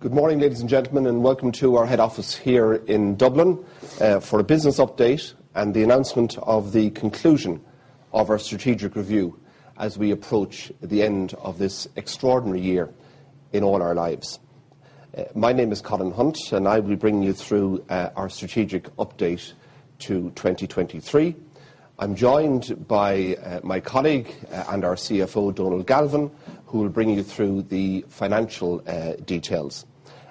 Good morning, ladies and gentlemen, and welcome to our head office here in Dublin for a business update and the announcement of the conclusion of our strategic review as we approach the end of this extraordinary year in all our lives. My name is Colin Hunt, and I will be bringing you through our strategic update to 2023. I'm joined by my colleague and our CFO, Donal Galvin, who will bring you through the financial details.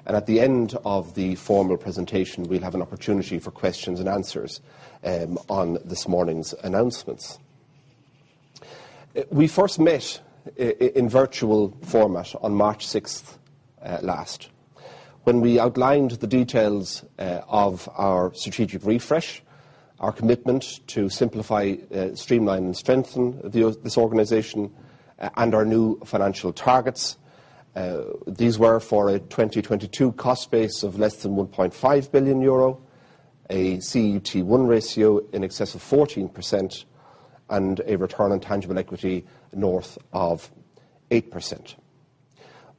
At the end of the formal presentation, we'll have an opportunity for questions and answers on this morning's announcements. We first met in virtual format on March 6th last, when we outlined the details of our strategic refresh, our commitment to simplify, streamline, and strengthen this organization, and our new financial targets. These were for a 2022 cost base of less than €1.5 billion, a CET1 ratio in excess of 14%, and a return on tangible equity north of 8%.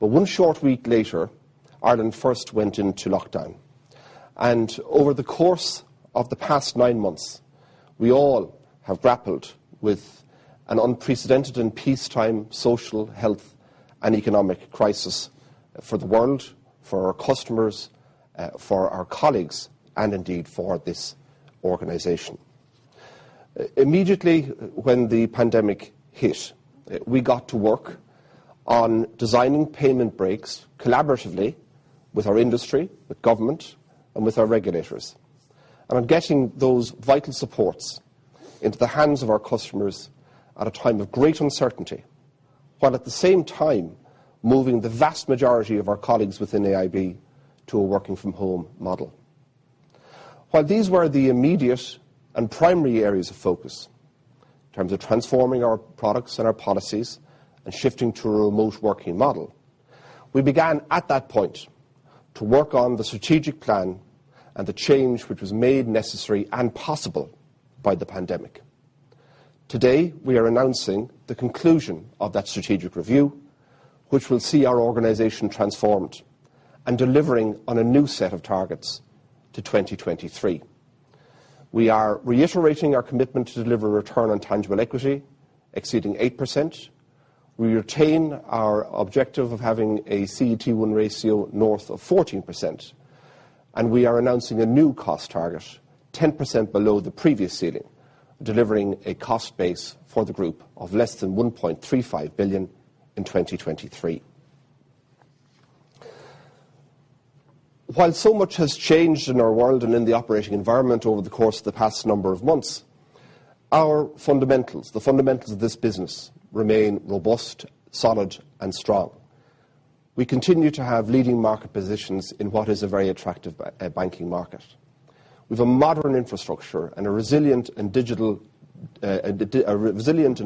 One short week later, Ireland first went into lockdown. Over the course of the past nine months, we all have grappled with an unprecedented and peacetime social, health, and economic crisis for the world, for our customers, for our colleagues, and indeed, for this organization. Immediately when the pandemic hit, we got to work on designing payment breaks collaboratively with our industry, with government, and with our regulators, and on getting those vital supports into the hands of our customers at a time of great uncertainty, while at the same time moving the vast majority of our colleagues within AIB to a working from home model. While these were the immediate and primary areas of focus, in terms of transforming our products and our policies and shifting to a remote working model, we began at that point to work on the strategic plan and the change which was made necessary and possible by the pandemic. Today, we are announcing the conclusion of that strategic review, which will see our organization transformed and delivering on a new set of targets to 2023. We are reiterating our commitment to deliver a return on tangible equity exceeding 8%. We retain our objective of having a CET1 ratio north of 14%, and we are announcing a new cost target, 10% below the previous ceiling, delivering a cost base for the group of less than 1.35 billion in 2023. While so much has changed in our world and in the operating environment over the course of the past number of months, our fundamentals, the fundamentals of this business, remain robust, solid, and strong. We continue to have leading market positions in what is a very attractive banking market. We've a modern infrastructure and a resilient and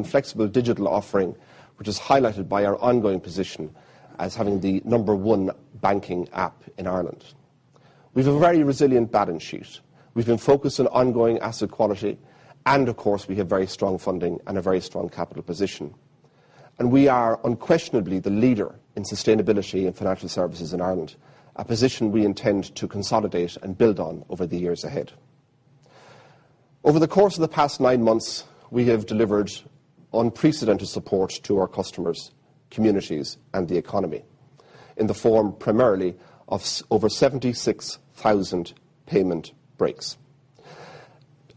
flexible digital offering, which is highlighted by our ongoing position as having the number one banking app in Ireland. We've a very resilient balance sheet. We've been focused on ongoing asset quality, and of course, we have very strong funding and a very strong capital position. We are unquestionably the leader in sustainability and financial services in Ireland, a position we intend to consolidate and build on over the years ahead. Over the course of the past nine months, we have delivered unprecedented support to our customers, communities, and the economy in the form primarily of over 76,000 payment breaks.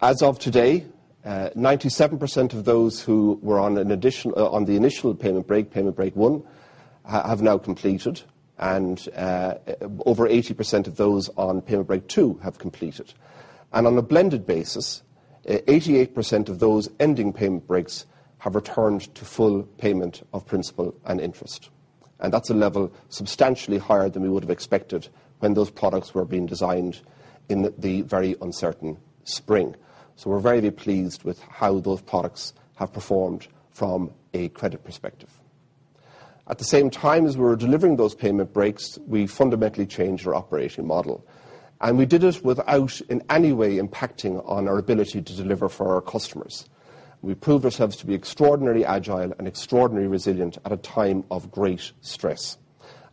As of today, 97% of those who were on the initial payment break, payment break one, have now completed, and over 80% of those on payment break two have completed. On a blended basis, 88% of those ending payment breaks have returned to full payment of principal and interest. That's a level substantially higher than we would have expected when those products were being designed in the very uncertain spring. We're very pleased with how those products have performed from a credit perspective. At the same time as we were delivering those payment breaks, we fundamentally changed our operation model, and we did it without, in any way, impacting on our ability to deliver for our customers. We proved ourselves to be extraordinarily agile and extraordinarily resilient at a time of great stress.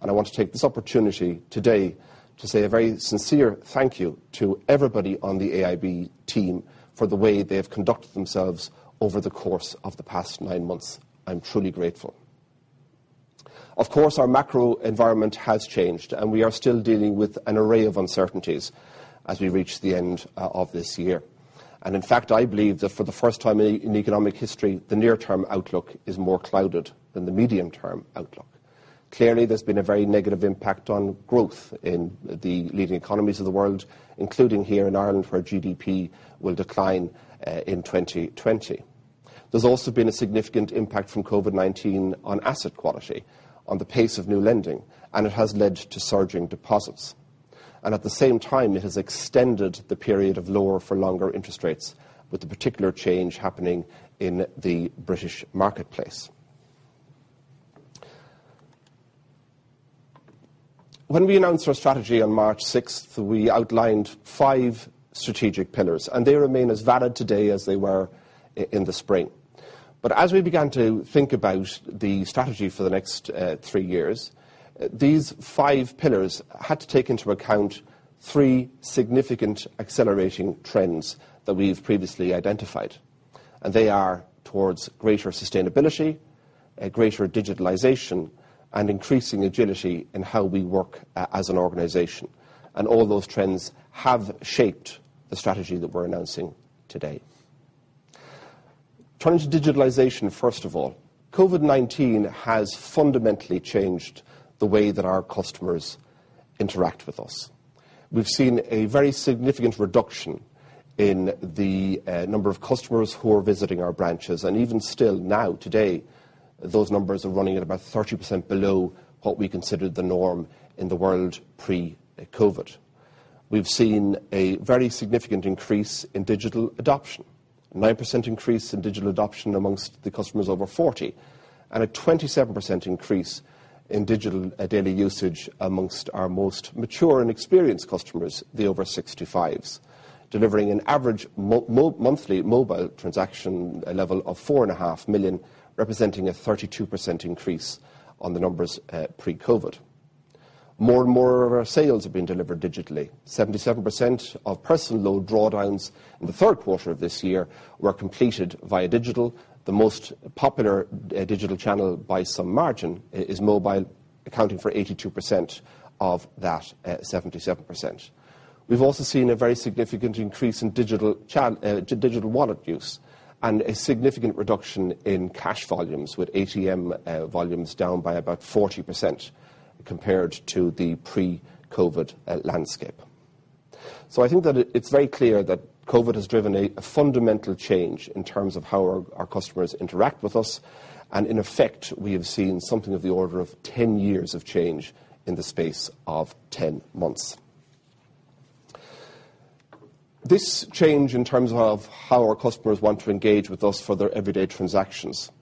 I want to take this opportunity today to say a very sincere thank you to everybody on the AIB team for the way they have conducted themselves over the course of the past nine months. I'm truly grateful. Of course, our macro environment has changed, we are still dealing with an array of uncertainties as we reach the end of this year. In fact, I believe that for the first time in economic history, the near-term outlook is more clouded than the medium-term outlook. Clearly, there's been a very negative impact on growth in the leading economies of the world, including here in Ireland, where our GDP will decline in 2020. There's also been a significant impact from COVID-19 on asset quality, on the pace of new lending, and it has led to surging deposits. At the same time, it has extended the period of lower for longer interest rates, with a particular change happening in the British marketplace. When we announced our strategy on March 6th, we outlined five strategic pillars, and they remain as valid today as they were in the spring. As we began to think about the strategy for the next three years, these five pillars had to take into account three significant accelerating trends that we've previously identified. They are towards greater sustainability, greater digitalization, and increasing agility in how we work as an organization. All those trends have shaped the strategy that we're announcing today. Turning to digitalization, first of all, COVID-19 has fundamentally changed the way that our customers interact with us. We've seen a very significant reduction in the number of customers who are visiting our branches, and even still now, today, those numbers are running at about 30% below what we considered the norm in the world pre-COVID. We've seen a very significant increase in digital adoption, a 9% increase in digital adoption amongst the customers over 40, and a 27% increase in digital daily usage amongst our most mature and experienced customers, the over 65s, delivering an average monthly mobile transaction level of 4.5 million, representing a 32% increase on the numbers pre-COVID. More and more of our sales have been delivered digitally. 77% of personal loan drawdowns in the third quarter of this year were completed via digital. The most popular digital channel by some margin is mobile, accounting for 82% of that 77%. We've also seen a very significant increase in digital wallet use and a significant reduction in cash volumes, with ATM volumes down by about 40% compared to the pre-COVID landscape. I think that it's very clear that COVID has driven a fundamental change in terms of how our customers interact with us. In effect, we have seen something of the order of 10 years of change in the space of 10 months. This change, in terms of how our customers want to engage with us for their everyday transactions,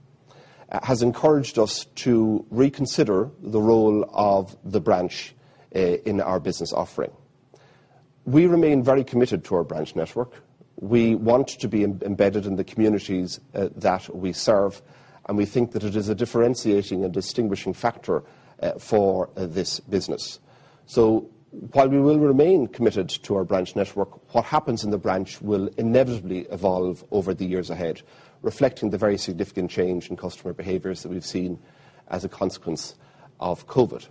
has encouraged us to reconsider the role of the branch in our business offering. We remain very committed to our branch network. We want to be embedded in the communities that we serve, we think that it is a differentiating and distinguishing factor for this business. While we will remain committed to our branch network, what happens in the branch will inevitably evolve over the years ahead, reflecting the very significant change in customer behaviors that we've seen as a consequence of COVID.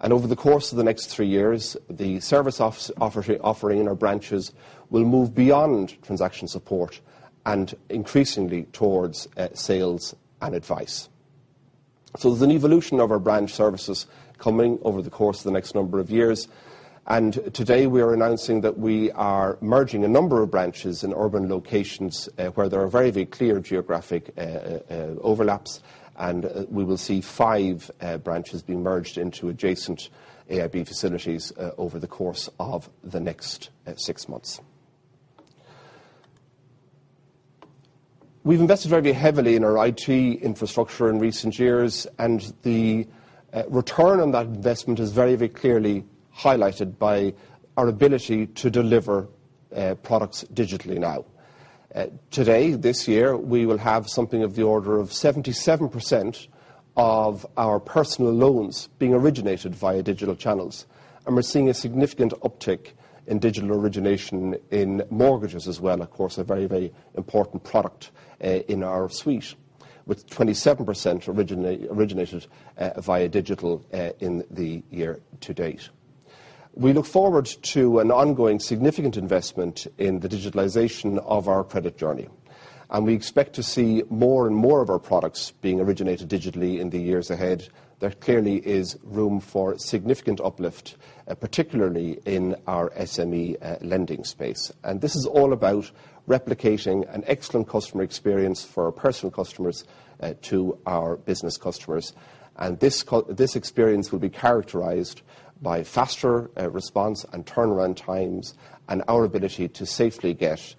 Over the course of the next three years, the service offering in our branches will move beyond transaction support and increasingly towards sales and advice. There's an evolution of our branch services coming over the course of the next number of years. Today, we are announcing that we are merging a number of branches in urban locations where there are very clear geographic overlaps, and we will see five branches being merged into adjacent AIB facilities over the course of the next six months. We've invested very heavily in our IT infrastructure in recent years, and the return on that investment is very clearly highlighted by our ability to deliver products digitally now. Today, this year, we will have something of the order of 77% of our personal loans being originated via digital channels, and we're seeing a significant uptick in digital origination in mortgages as well, of course, a very important product in our suite, with 27% originated via digital in the year to date. We look forward to an ongoing significant investment in the digitalization of our credit journey, and we expect to see more and more of our products being originated digitally in the years ahead. There clearly is room for significant uplift, particularly in our SME lending space. This is all about replicating an excellent customer experience for our personal customers to our business customers. This experience will be characterized by faster response and turnaround times and our ability to safely get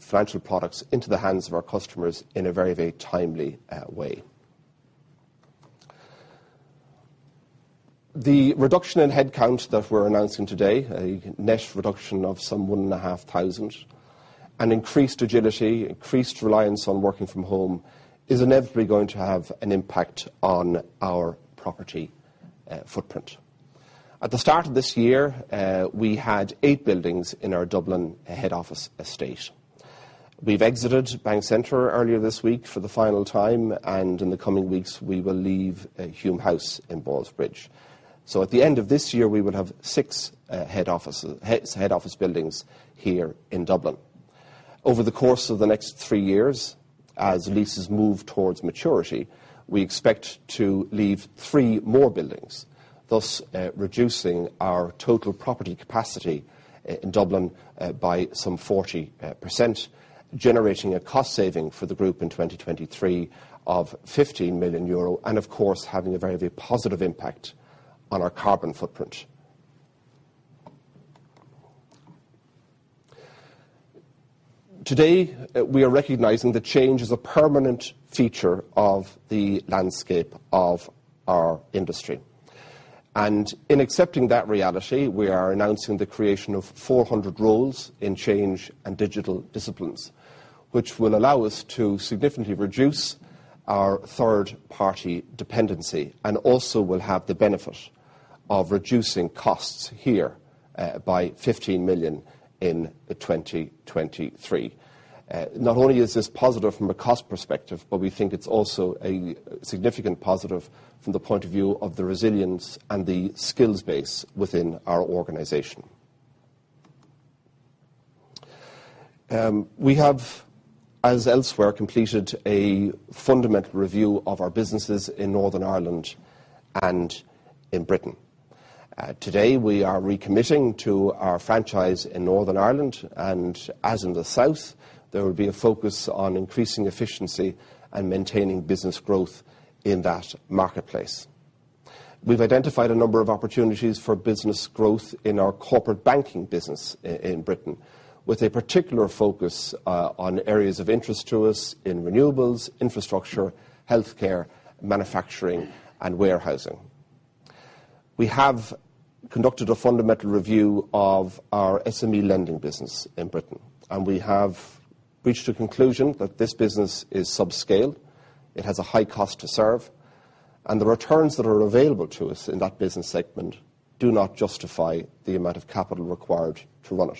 financial products into the hands of our customers in a very timely way. The reduction in headcount that we're announcing today, a net reduction of some 1,500, and increased agility, increased reliance on working from home, is inevitably going to have an impact on our property footprint. At the start of this year, we had eight buildings in our Dublin head office estate. We've exited Bankcentre earlier this week for the final time, and in the coming weeks, we will leave Hume House in Ballsbridge. At the end of this year, we will have six head office buildings here in Dublin. Over the course of the next three years, as leases move towards maturity, we expect to leave three more buildings, thus reducing our total property capacity in Dublin by some 40%, generating a cost saving for the group in 2023 of €15 million, and of course, having a very positive impact on our carbon footprint. Today, we are recognizing that change is a permanent feature of the landscape of our industry. In accepting that reality, we are announcing the creation of 400 roles in change and digital disciplines, which will allow us to significantly reduce our third-party dependency, and also will have the benefit of reducing costs here by 15 million in 2023. Not only is this positive from a cost perspective, but we think it's also a significant positive from the point of view of the resilience and the skills base within our organization We have, as elsewhere, completed a fundamental review of our businesses in Northern Ireland and in Britain. Today, we are recommitting to our franchise in Northern Ireland, and as in the south, there will be a focus on increasing efficiency and maintaining business growth in that marketplace. We've identified a number of opportunities for business growth in our corporate banking business in Britain, with a particular focus on areas of interest to us in renewables, infrastructure, healthcare, manufacturing, and warehousing. We have conducted a fundamental review of our SME lending business in Britain, and we have reached a conclusion that this business is subscale, it has a high cost to serve, and the returns that are available to us in that business segment do not justify the amount of capital required to run it.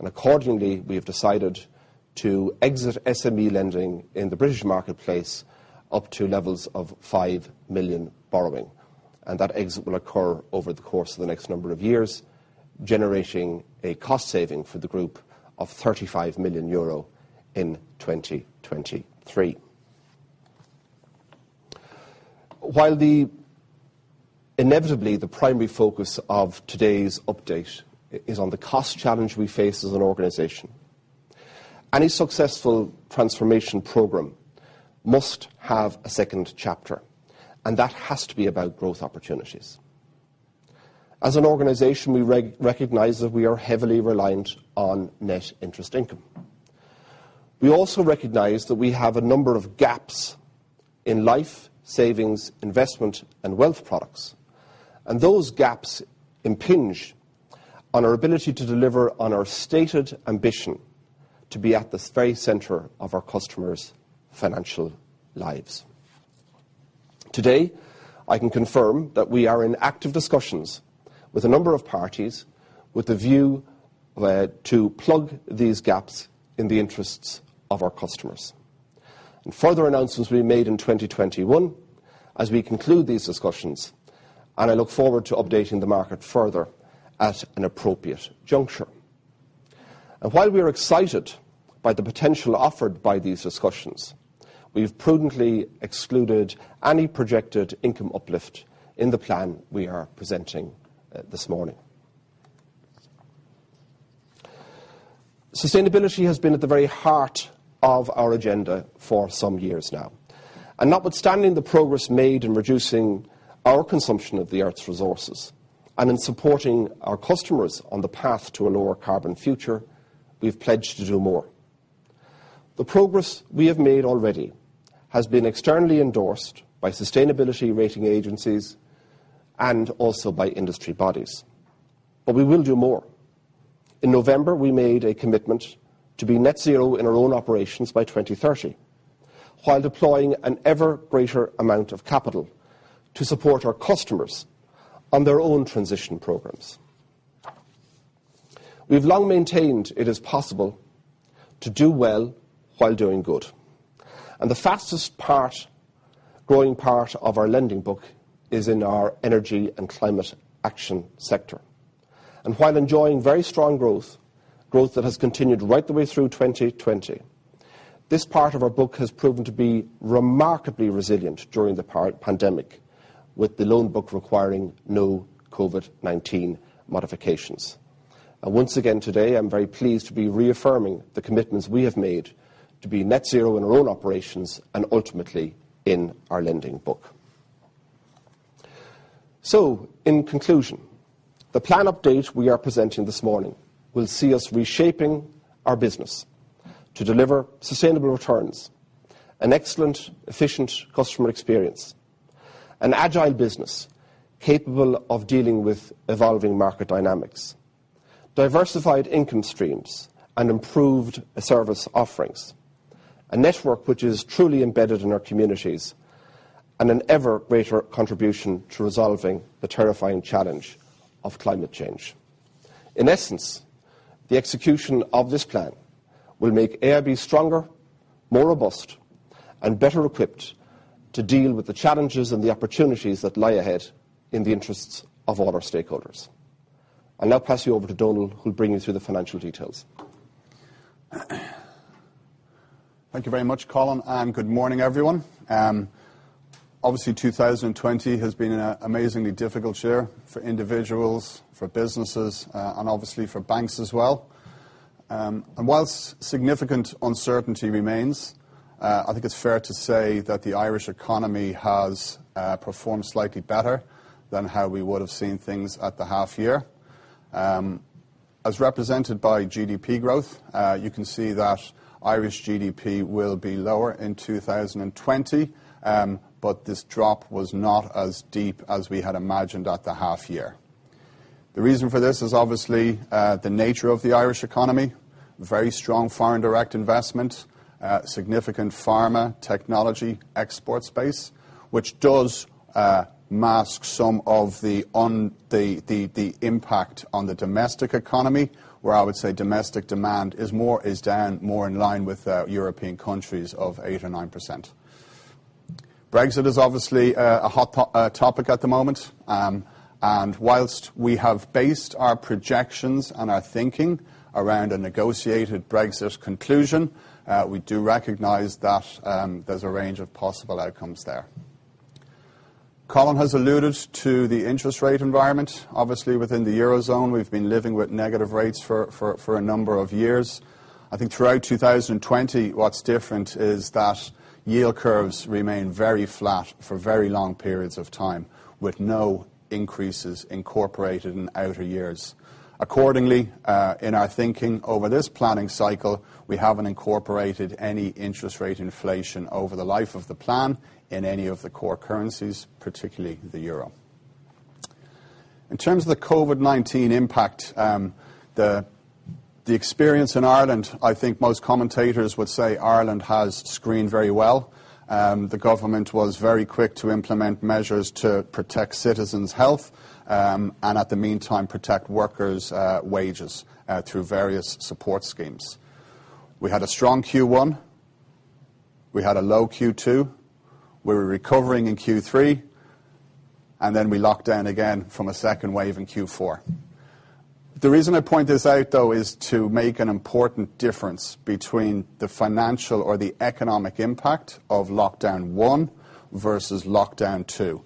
Accordingly, we have decided to exit SME lending in the British marketplace up to levels of 5 million borrowing. That exit will occur over the course of the next number of years, generating a cost saving for the group of 35 million euro in 2023. Inevitably the primary focus of today's update is on the cost challenge we face as an organization, any successful transformation program must have a second chapter, and that has to be about growth opportunities. As an organization, we recognize that we are heavily reliant on net interest income. We also recognize that we have a number of gaps in life savings, investment, and wealth products, and those gaps impinge on our ability to deliver on our stated ambition to be at the very center of our customers' financial lives. Today, I can confirm that we are in active discussions with a number of parties with a view to plug these gaps in the interests of our customers. Further announcements will be made in 2021 as we conclude these discussions, and I look forward to updating the market further at an appropriate juncture. While we are excited by the potential offered by these discussions, we've prudently excluded any projected income uplift in the plan we are presenting this morning. Sustainability has been at the very heart of our agenda for some years now. Notwithstanding the progress made in reducing our consumption of the Earth's resources, and in supporting our customers on the path to a lower carbon future, we've pledged to do more. The progress we have made already has been externally endorsed by sustainability rating agencies and also by industry bodies. We will do more. In November, we made a commitment to be net zero in our own operations by 2030, while deploying an ever greater amount of capital to support our customers on their own transition programs. We've long maintained it is possible to do well while doing good, and the fastest growing part of our lending book is in our energy and climate action sector. While enjoying very strong growth that has continued right the way through 2020, this part of our book has proven to be remarkably resilient during the pandemic, with the loan book requiring no COVID-19 modifications. Once again today, I'm very pleased to be reaffirming the commitments we have made to be net zero in our own operations, and ultimately in our lending book. In conclusion, the plan update we are presenting this morning will see us reshaping our business to deliver sustainable returns, an excellent, efficient customer experience, an agile business capable of dealing with evolving market dynamics, diversified income streams, and improved service offerings, a network which is truly embedded in our communities, and an ever greater contribution to resolving the terrifying challenge of climate change. In essence, the execution of this plan will make AIB stronger, more robust, and better equipped to deal with the challenges and the opportunities that lie ahead in the interests of all our stakeholders. I'll now pass you over to Donal, who'll bring you through the financial details. Thank you very much, Colin. Good morning, everyone. Obviously, 2020 has been an amazingly difficult year for individuals, for businesses, and obviously for banks as well. Whilst significant uncertainty remains, I think it's fair to say that the Irish economy has performed slightly better than how we would've seen things at the half year. As represented by GDP growth, you can see that Irish GDP will be lower in 2020, but this drop was not as deep as we had imagined at the half year. The reason for this is obviously the nature of the Irish economy, very strong foreign direct investment, significant pharma technology export space, which does mask some of the impact on the domestic economy, where I would say domestic demand is down more in line with European countries of 8% or 9%. Brexit is obviously a hot topic at the moment. Whilst we have based our projections and our thinking around a negotiated Brexit conclusion, we do recognize that there's a range of possible outcomes there. Colin has alluded to the interest rate environment. Obviously, within the Eurozone, we've been living with negative rates for a number of years. I think throughout 2020, what's different is that yield curves remain very flat for very long periods of time, with no increases incorporated in outer years. Accordingly, in our thinking over this planning cycle, we haven't incorporated any interest rate inflation over the life of the plan in any of the core currencies, particularly the euro. In terms of the COVID-19 impact, the experience in Ireland, I think most commentators would say Ireland has screened very well. The government was very quick to implement measures to protect citizens' health, and at the meantime, protect workers' wages through various support schemes. We had a strong Q1, we had a low Q2, we were recovering in Q3, and then we locked down again from a second wave in Q4. The reason I point this out, though, is to make an important difference between the financial or the economic impact of lockdown 1 versus lockdown 2.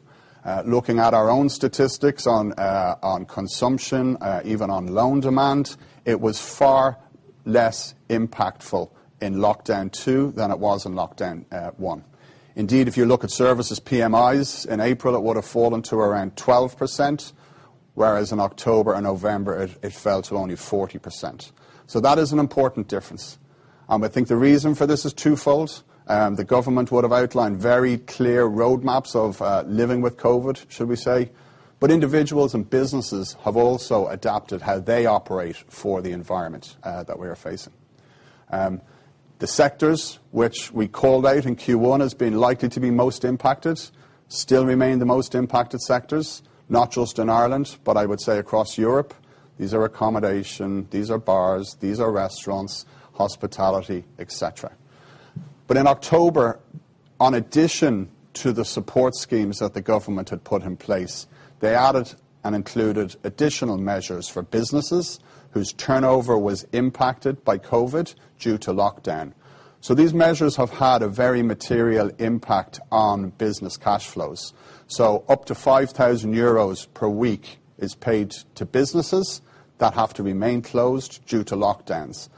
Looking at our own statistics on consumption, even on loan demand, it was far less impactful in lockdown 2 than it was in lockdown 1. Indeed, if you look at services PMIs, in April, it would've fallen to around 12%, whereas in October and November, it fell to only 40%. That is an important difference. I think the reason for this is twofold. The government would've outlined very clear roadmaps of living with COVID, should we say, but individuals and businesses have also adapted how they operate for the environment that we are facing. The sectors which we called out in Q1 as being likely to be most impacted still remain the most impacted sectors, not just in Ireland, but I would say across Europe. These are accommodation, these are bars, these are restaurants, hospitality, et cetera. In October, in addition to the support schemes that the government had put in place, they added and included additional measures for businesses whose turnover was impacted by COVID due to lockdown. These measures have had a very material impact on business cash flows. Up to €5,000 per week is paid to businesses that have to remain closed due to lockdowns.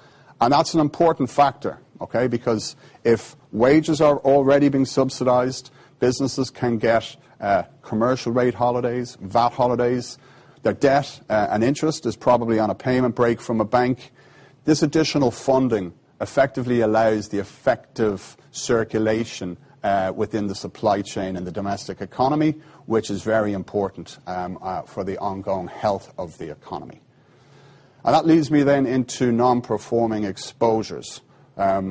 That's an important factor, okay? Because if wages are already being subsidized, businesses can get commercial rate holidays, VAT holidays, their debt and interest is probably on a payment break from a bank. This additional funding effectively allows the effective circulation within the supply chain and the domestic economy, which is very important for the ongoing health of the economy. That leads me then into non-performing exposures. I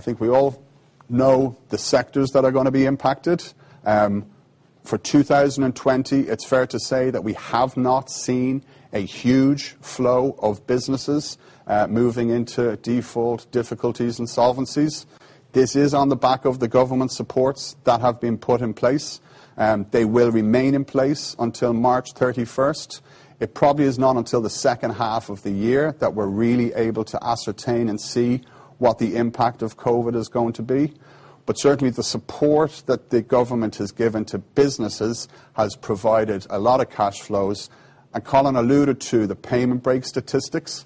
think we all know the sectors that are going to be impacted. For 2020, it's fair to say that we have not seen a huge flow of businesses moving into default difficulties insolvencies. This is on the back of the government supports that have been put in place. They will remain in place until March 31st. It probably is not until the second half of the year that we're really able to ascertain and see what the impact of COVID is going to be. But certainly, the support that the government has given to businesses has provided a lot of cash flows. Colin alluded to the payment break statistics,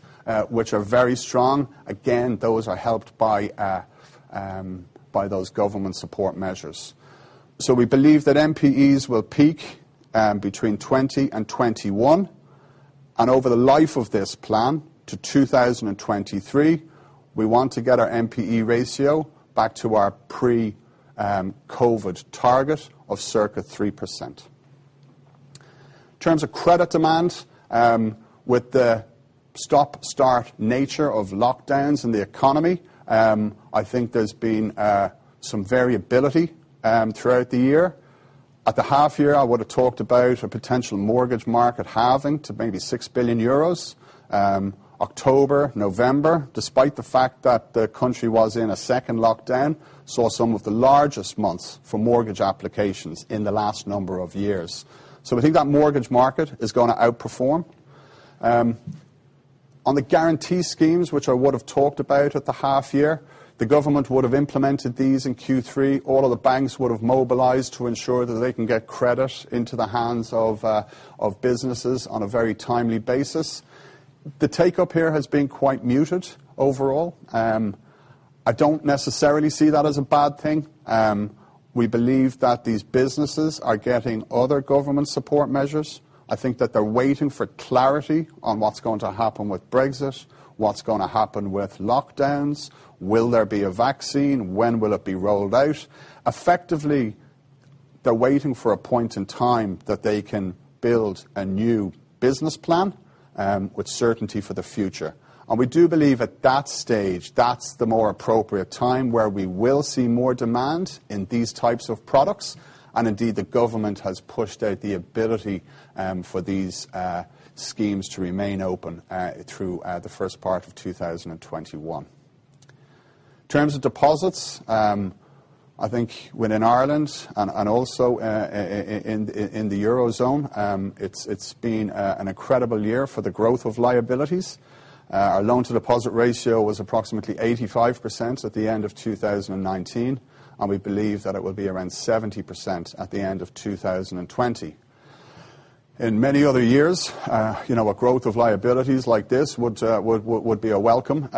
which are very strong. Those are helped by those government support measures. We believe that MPEs will peak between 2020 and 2021. Over the life of this plan to 2023, we want to get our MPE ratio back to our pre-COVID target of circa 3%. In terms of credit demand, with the stop-start nature of lockdowns in the economy, I think there's been some variability throughout the year. At the half year, I would've talked about a potential mortgage market halving to maybe 6 billion euros. October, November, despite the fact that the country was in a second lockdown, saw some of the largest months for mortgage applications in the last number of years. We think that mortgage market is going to outperform. On the guarantee schemes, which I would've talked about at the half year, the government would've implemented these in Q3. All of the banks would've mobilized to ensure that they can get credit into the hands of businesses on a very timely basis. The take-up here has been quite muted overall. I don't necessarily see that as a bad thing. We believe that these businesses are getting other government support measures. I think that they're waiting for clarity on what's going to happen with Brexit, what's going to happen with lockdowns. Will there be a vaccine? When will it be rolled out? Effectively, they're waiting for a point in time that they can build a new business plan with certainty for the future. We do believe at that stage, that's the more appropriate time where we will see more demand in these types of products. Indeed, the government has pushed out the ability for these schemes to remain open through the first part of 2021. In terms of deposits, I think within Ireland and also in the Eurozone, it has been an incredible year for the growth of liabilities. Our loan-to-deposit ratio was approximately 85% at the end of 2019, and we believe that it will be around 70% at the end of 2020. In many other years, a growth of liabilities like this would be a welcome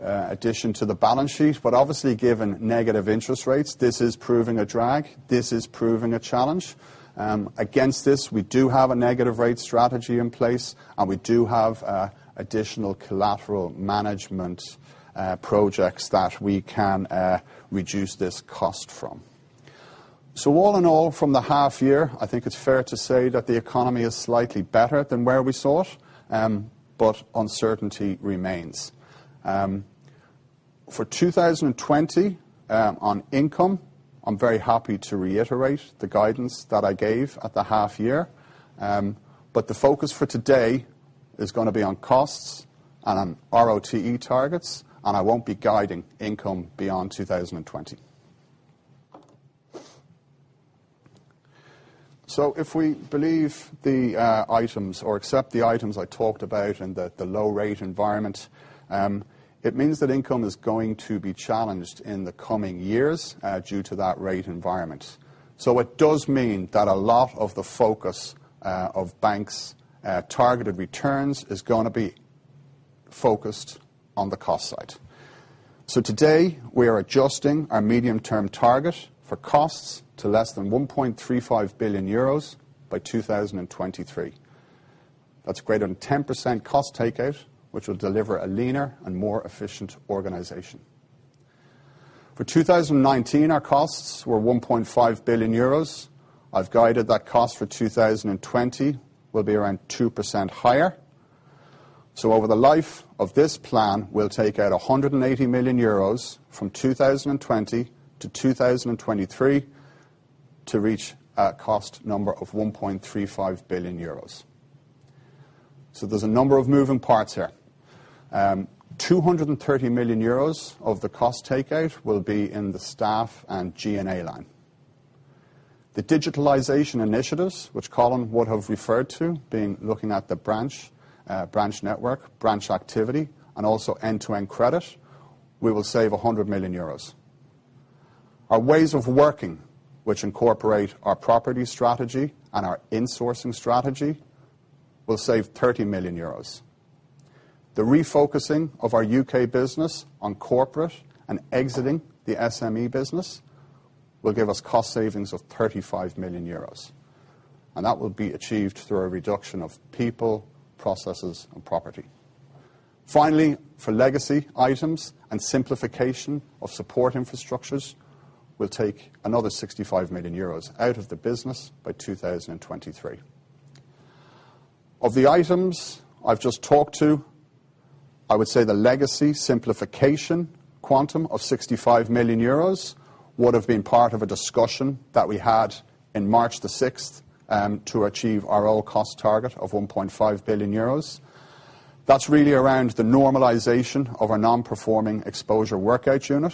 addition to the balance sheet. Obviously, given negative interest rates, this is proving a drag. This is proving a challenge. Against this, we do have a negative rate strategy in place, and we do have additional collateral management projects that we can reduce this cost from. All in all, from the half year, I think it is fair to say that the economy is slightly better than where we saw it, but uncertainty remains. For 2020, on income, I'm very happy to reiterate the guidance that I gave at the half year. The focus for today is going to be on costs and on ROTE targets, and I won't be guiding income beyond 2020. If we believe the items or accept the items I talked about in the low rate environment, it means that income is going to be challenged in the coming years due to that rate environment. It does mean that a lot of the focus of banks' targeted returns is going to be focused on the cost side. Today, we are adjusting our medium-term target for costs to less than 1.35 billion euros by 2023. That's greater than 10% cost takeout, which will deliver a leaner and more efficient organization. For 2019, our costs were 1.5 billion euros. I've guided that cost for 2020 will be around 2% higher. Over the life of this plan, we'll take out 180 million euros from 2020 to 2023 to reach a cost number of 1.35 billion euros. There's a number of moving parts here. 230 million euros of the cost takeout will be in the staff and G&A line. The digitalization initiatives, which Colin would have referred to, being looking at the branch network, branch activity, and also end-to-end credit, we will save 100 million euros. Our ways of working, which incorporate our property strategy and our insourcing strategy, will save 30 million euros. The refocusing of our U.K business on corporate and exiting the SME business will give us cost savings of 35 million euros, and that will be achieved through a reduction of people, processes, and property. Finally, for legacy items and simplification of support infrastructures, we'll take another 65 million euros out of the business by 2023. Of the items I've just talked to, I would say the legacy simplification quantum of 65 million euros would have been part of a discussion that we had in March 6th to achieve our low-cost target of 1.5 billion euros. That's really around the normalization of our non-performing exposure workout unit,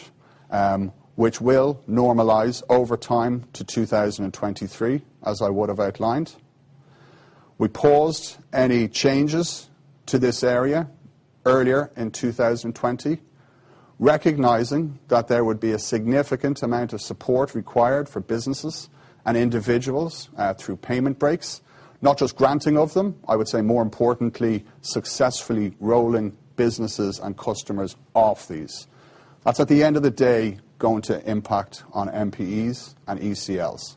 which will normalize over time to 2023, as I would have outlined. We paused any changes to this area earlier in 2020, recognizing that there would be a significant amount of support required for businesses and individuals through payment breaks. Not just granting of them, I would say, more importantly, successfully rolling businesses and customers off these. That's at the end of the day, going to impact on MPEs and ECLs.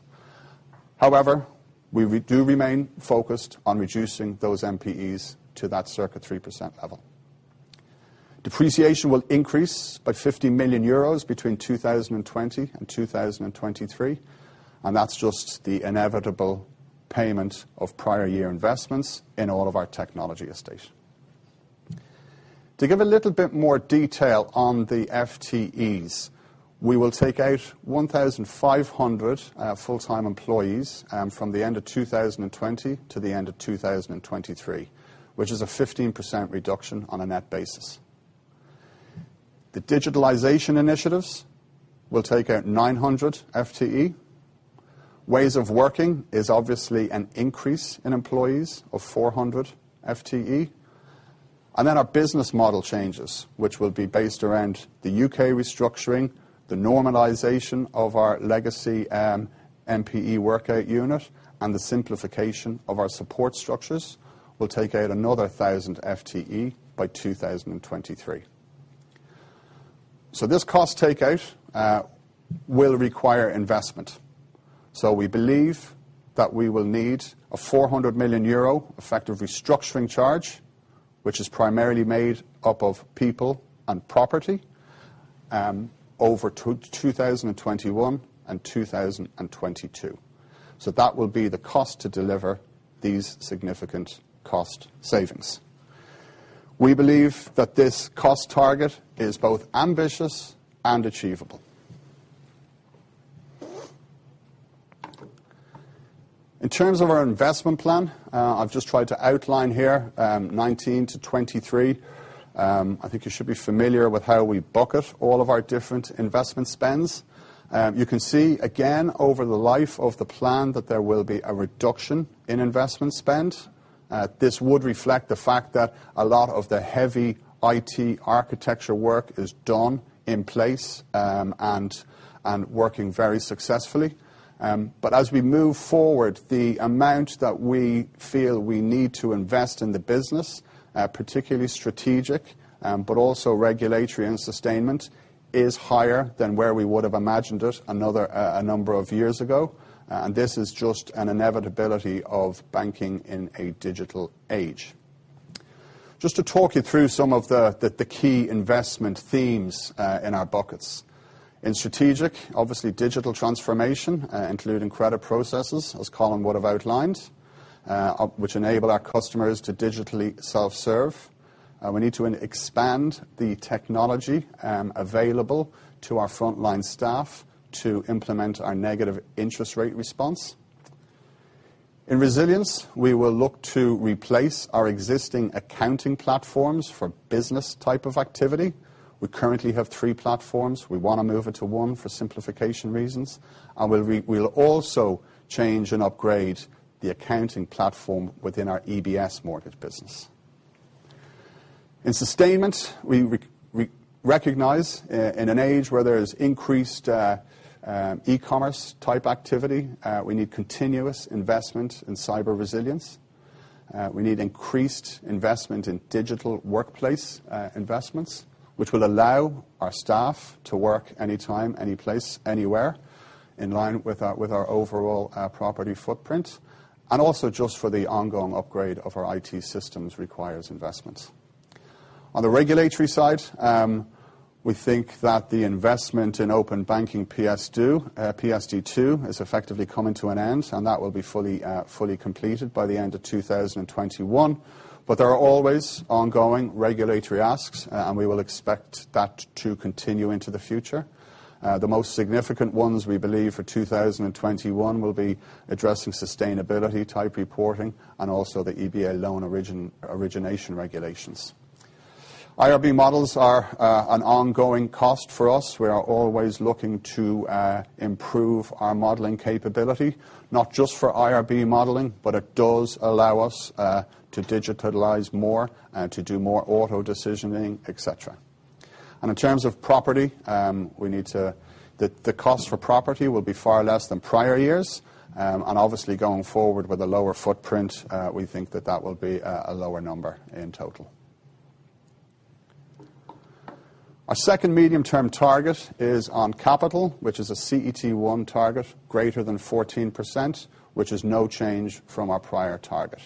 We do remain focused on reducing those MPEs to that circa 3% level. Depreciation will increase by 50 million euros between 2020 and 2023. That's just the inevitable payment of prior year investments in all of our technology estate. To give a little bit more detail on the FTEs, we will take out 1,500 full-time employees from the end of 2020 to the end of 2023, which is a 15% reduction on a net basis. The digitalization initiatives will take out 900 FTE. Ways of working is obviously an increase in employees of 400 FTE. Our business model changes, which will be based around the U.K restructuring, the normalization of our legacy NPE workout unit and the simplification of our support structures will take out another 1,000 FTE by 2023. This cost takeout will require investment. We believe that we will need a €400 million effective restructuring charge, which is primarily made up of people and property, over 2021 and 2022. That will be the cost to deliver these significant cost savings. We believe that this cost target is both ambitious and achievable. In terms of our investment plan, I've just tried to outline here, 2019-2023. I think you should be familiar with how we bucket all of our different investment spends. You can see again, over the life of the plan, that there will be a reduction in investment spend. This would reflect the fact that a lot of the heavy IT architecture work is done in place, and working very successfully. As we move forward, the amount that we feel we need to invest in the business, particularly strategic, but also regulatory and sustainment, is higher than where we would've imagined it a number of years ago. This is just an inevitability of banking in a digital age. Just to talk you through some of the key investment themes in our buckets. In strategic, obviously digital transformation, including credit processes, as Colin would've outlined, which enable our customers to digitally self-serve. We need to expand the technology available to our frontline staff to implement our negative interest rate response. In resilience, we will look to replace our existing accounting platforms for business type of activity. We currently have three platforms. We want to move it to one for simplification reasons, and we'll also change and upgrade the accounting platform within our EBS d.a.c. mortgage business. In sustainment, we recognize, in an age where there's increased e-commerce type activity, we need continuous investment in cyber resilience. We need increased investment in digital workplace investments, which will allow our staff to work anytime, any place, anywhere, in line with our overall property footprint. Also just for the ongoing upgrade of our IT systems requires investments. On the regulatory side, we think that the investment in open banking PSD2 is effectively coming to an end, and that will be fully completed by the end of 2021. There are always ongoing regulatory asks, and we will expect that to continue into the future. The most significant ones, we believe for 2021, will be addressing sustainability type reporting and also the EBA loan origination regulations. IRB models are an ongoing cost for us. We are always looking to improve our modeling capability, not just for IRB modeling, but it does allow us to digitalize more and to do more auto-decisioning, et cetera. In terms of property, the cost for property will be far less than prior years. Obviously going forward with a lower footprint, we think that that will be a lower number in total. Our second medium-term target is on capital, which is a CET1 target greater than 14%, which is no change from our prior target.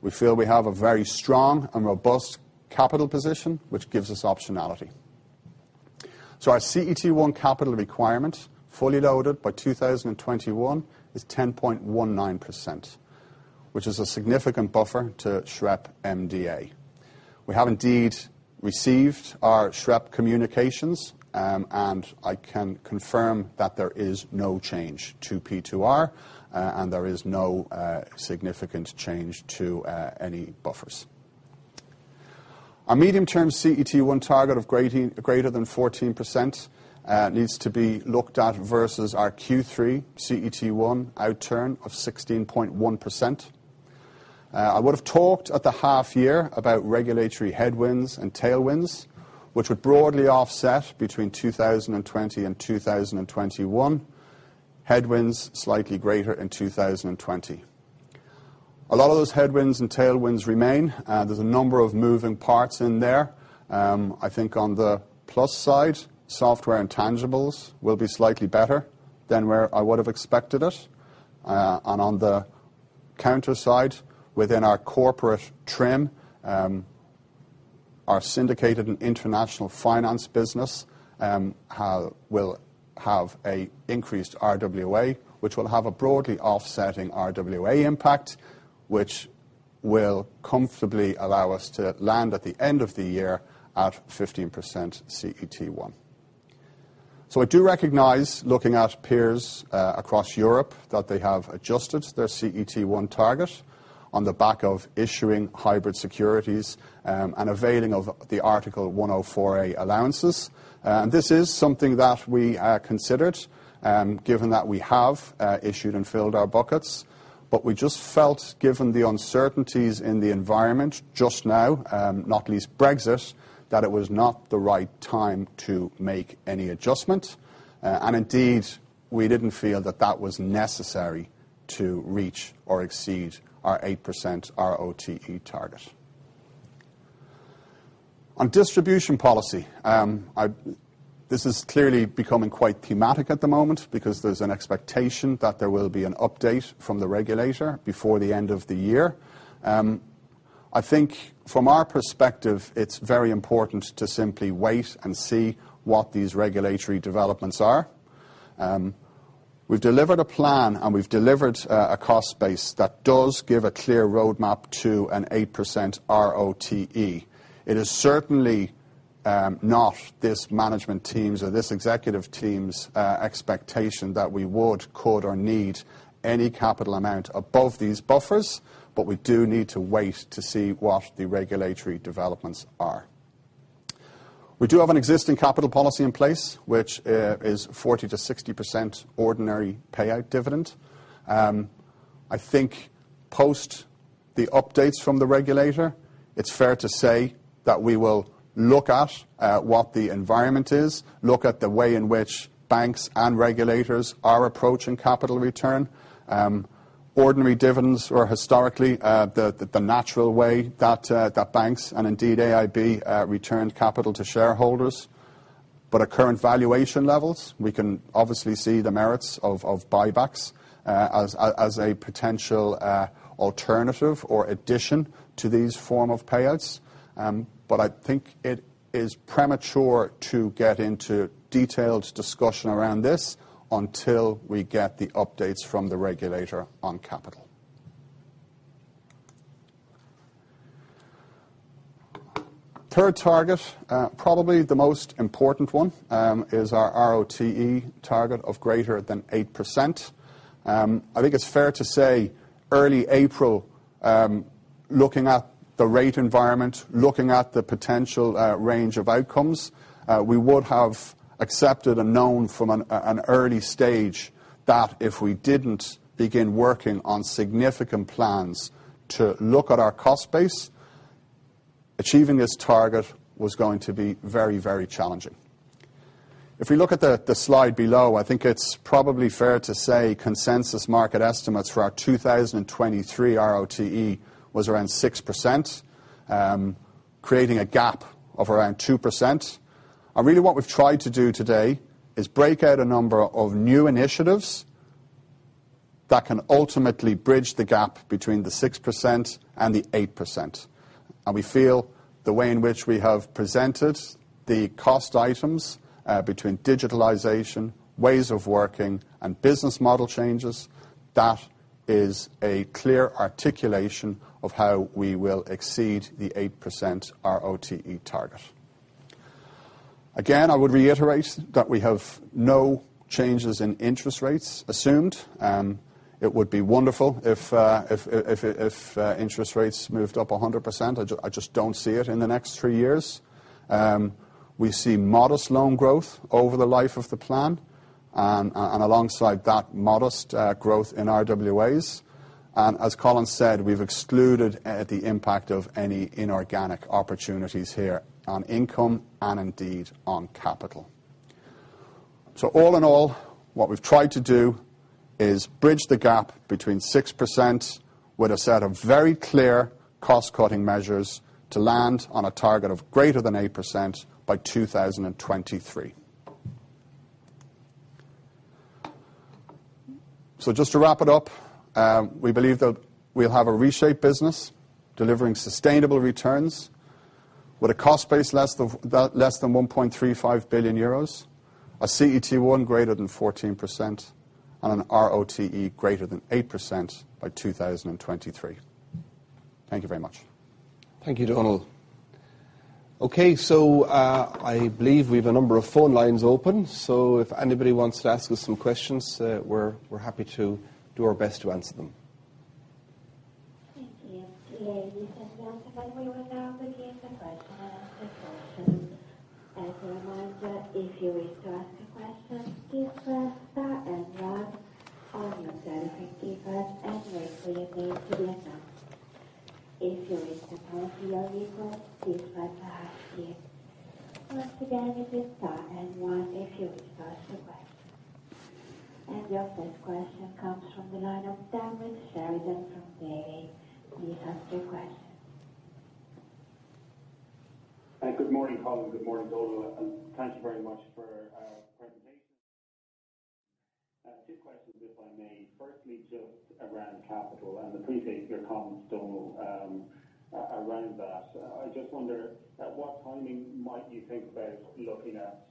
We feel we have a very strong and robust capital position, which gives us optionality. Our CET1 capital requirement, fully loaded by 2021, is 10.19%, which is a significant buffer to SREP MDA. We have indeed received our SREP communications, and I can confirm that there is no change to P2R, and there is no significant change to any buffers. Our medium-term CET1 target of greater than 14%, needs to be looked at versus our Q3 CET1 outturn of 16.1%. I would've talked at the half year about regulatory headwinds and tailwinds, which would broadly offset between 2020 and 2021, headwinds slightly greater in 2020. A lot of those headwinds and tailwinds remain. There's a number of moving parts in there. I think on the plus side, software tangibles will be slightly better than where I would've expected it. On the counter side, within our corporate trim, our syndicated and international finance business will have an increased RWA, which will have a broadly offsetting RWA impact, which will comfortably allow us to land at the end of the year at 15% CET1. I do recognize, looking at peers across Europe, that they have adjusted their CET1 target on the back of issuing hybrid securities, and availing of the Article 104a allowances. This is something that we considered, given that we have issued and filled our buckets. We just felt, given the uncertainties in the environment just now, not least Brexit, that it was not the right time to make any adjustment. Indeed, we didn't feel that that was necessary to reach or exceed our 8% ROTE target. On distribution policy, this is clearly becoming quite thematic at the moment because there's an expectation that there will be an update from the regulator before the end of the year. I think from our perspective, it's very important to simply wait and see what these regulatory developments are. We've delivered a plan, and we've delivered a cost base that does give a clear roadmap to an 8% ROTE. It is certainly not this management team's or this executive team's expectation that we would, could, or need any capital amount above these buffers, but we do need to wait to see what the regulatory developments are. We do have an existing capital policy in place, which is 40%-60% ordinary payout dividend. I think post the updates from the regulator, it's fair to say that we will look at what the environment is, look at the way in which banks and regulators are approaching capital return. Ordinary dividends are historically the natural way that banks, and indeed AIB, return capital to shareholders. At current valuation levels, we can obviously see the merits of buybacks as a potential alternative or addition to these form of payouts. I think it is premature to get into detailed discussion around this until we get the updates from the regulator on capital. Third target, probably the most important one, is our ROTE target of greater than 8%. I think it's fair to say, early April, looking at the rate environment, looking at the potential range of outcomes, we would have accepted and known from an early stage that if we didn't begin working on significant plans to look at our cost base, achieving this target was going to be very challenging. If we look at the slide below, I think it's probably fair to say consensus market estimates for our 2023 ROTE was around 6%, creating a gap of around 2%. Really what we've tried to do today is break out a number of new initiatives that can ultimately bridge the gap between the 6% and the 8%. We feel the way in which we have presented the cost items, between digitalization, ways of working, and business model changes, that is a clear articulation of how we will exceed the 8% ROTE target. Again, I would reiterate that we have no changes in interest rates assumed. It would be wonderful if interest rates moved up 100%. I just don't see it in the next three years. We see modest loan growth over the life of the plan, and alongside that, modest growth in RWAs. As Colin said, we've excluded the impact of any inorganic opportunities here on income and indeed on capital. All in all, what we've tried to do is bridge the gap between 6% with a set of very clear cost-cutting measures to land on a target of greater than 8% by 2023. Just to wrap it up, we believe that we'll have a reshaped business delivering sustainable returns with a cost base less than 1.35 billion euros, a CET1 greater than 14%, and an ROTE greater than 8% by 2023. Thank you very much. Thank you, Donal. Okay, I believe we have a number of phone lines open, so if anybody wants to ask us some questions, we're happy to do our best to answer them. Thank you. Ladies and gentlemen, we will now begin the question and answer portion. As a reminder, if you wish to ask a question, please press star and one on your telephone keypads, and wait for your name to be announced. If you wish to remove your mute, please press hash key. Once again, it is star and one if you wish to ask a question. Your first question comes from the line of Diarmaid Sheridan from Davy. Please ask your question. Hi. Good morning, Colin. Good morning, Donal. Thank you very much for your presentation. Two questions, if I may. Firstly, just around capital. I appreciate your comments, Donal, around that. I just wonder at what timing might you think about looking at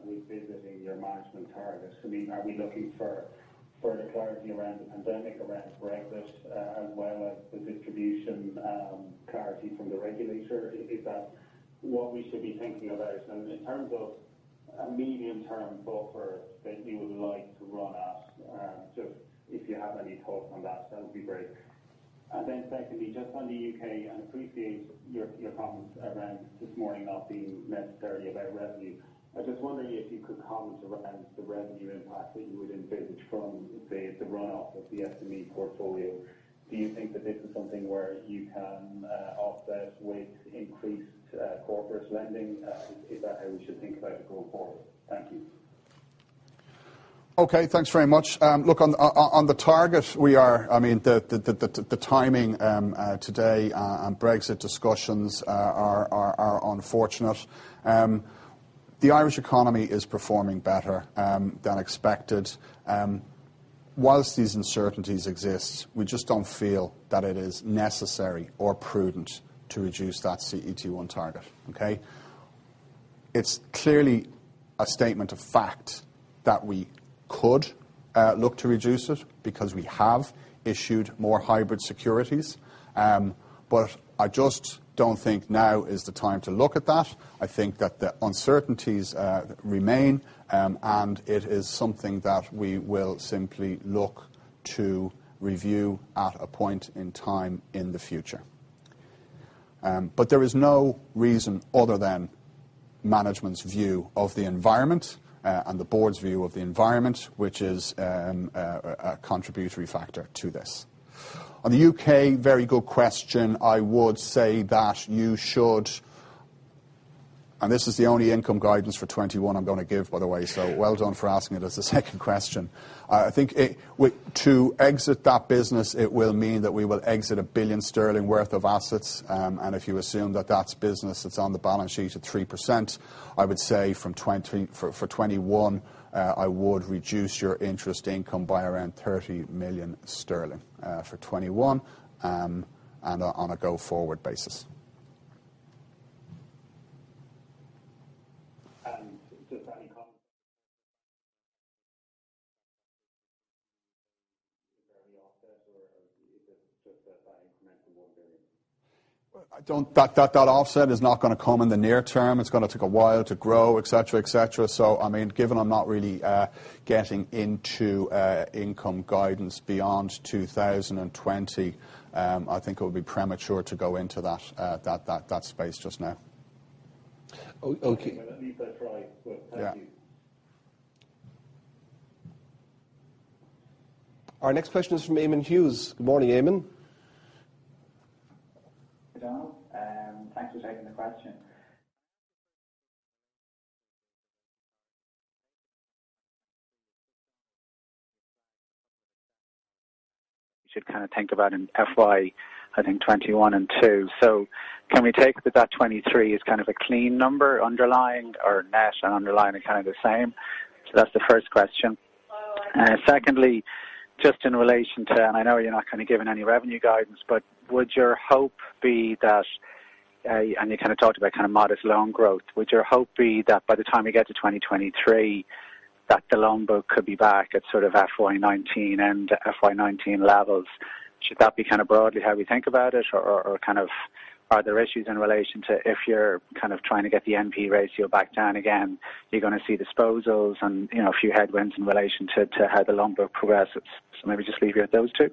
revisiting your management targets? Are we looking for further clarity around the pandemic, around Brexit, as well as the distribution clarity from the regulator? Is that what we should be thinking about? In terms of a medium-term buffer that you would like to run at, if you have any thoughts on that would be great. Secondly, just on the U.K., I appreciate your comments around this morning not being necessarily about revenue. I was just wondering if you could comment around the revenue impact that you would envisage from, say, the runoff of the SME portfolio. Do you think that this is something where you can offset with increased corporate lending? Is that how we should think about it going forward? Thank you. Okay, thanks very much. On the target, the timing today on Brexit discussions are unfortunate. The Irish economy is performing better than expected. Whilst these uncertainties exist, we just don't feel that it is necessary or prudent to reduce that CET1 target. Okay? It's clearly a statement of fact that we could look to reduce it, because we have issued more hybrid securities. I just don't think now is the time to look at that. I think that the uncertainties remain, and it is something that we will simply look to review at a point in time in the future. There is no reason other than management's view of the environment, and the board's view of the environment, which is a contributory factor to this. On the U.K., very good question. I would say that you should, and this is the only income guidance for 2021 I'm going to give, by the way. Well done for asking it as the second question. I think to exit that business, it will mean that we will exit 1 billion sterling worth of assets. If you assume that that's business that's on the balance sheet at 3%, I would say for 2021, I would reduce your interest income by around 30 million sterling, for 2021, and on a go-forward basis. Just any comment is there any offset or is it just that by incremental EUR 1 billion? That offset is not going to come in the near term. It's going to take a while to grow, et cetera. Given I'm not really getting into income guidance beyond 2020, I think it would be premature to go into that space just now. Okay. At least I tried. Thank you. Yeah. Our next question is from Eamonn Hughes. Good morning, Eamonn. Hi, Donal. Thanks for taking the question. You should kind of think about in FY 2021 and 2022. Can we take that 2023 is kind of a clean number underlying or net and underlying are kind of the same? That's the first question. Secondly, just in relation to, and I know you're not kind of giving any revenue guidance, but would your hope be that, and you kind of talked about kind of modest loan growth, would your hope be that by the time we get to 2023, that the loan book could be back at sort of FY 2019 and FY 2019 levels? Should that be kind of broadly how we think about it? Kind of are there issues in relation to if you're kind of trying to get the NP ratio back down again, you're going to see disposals and a few headwinds in relation to how the loan book progresses. Maybe just leave you at those two.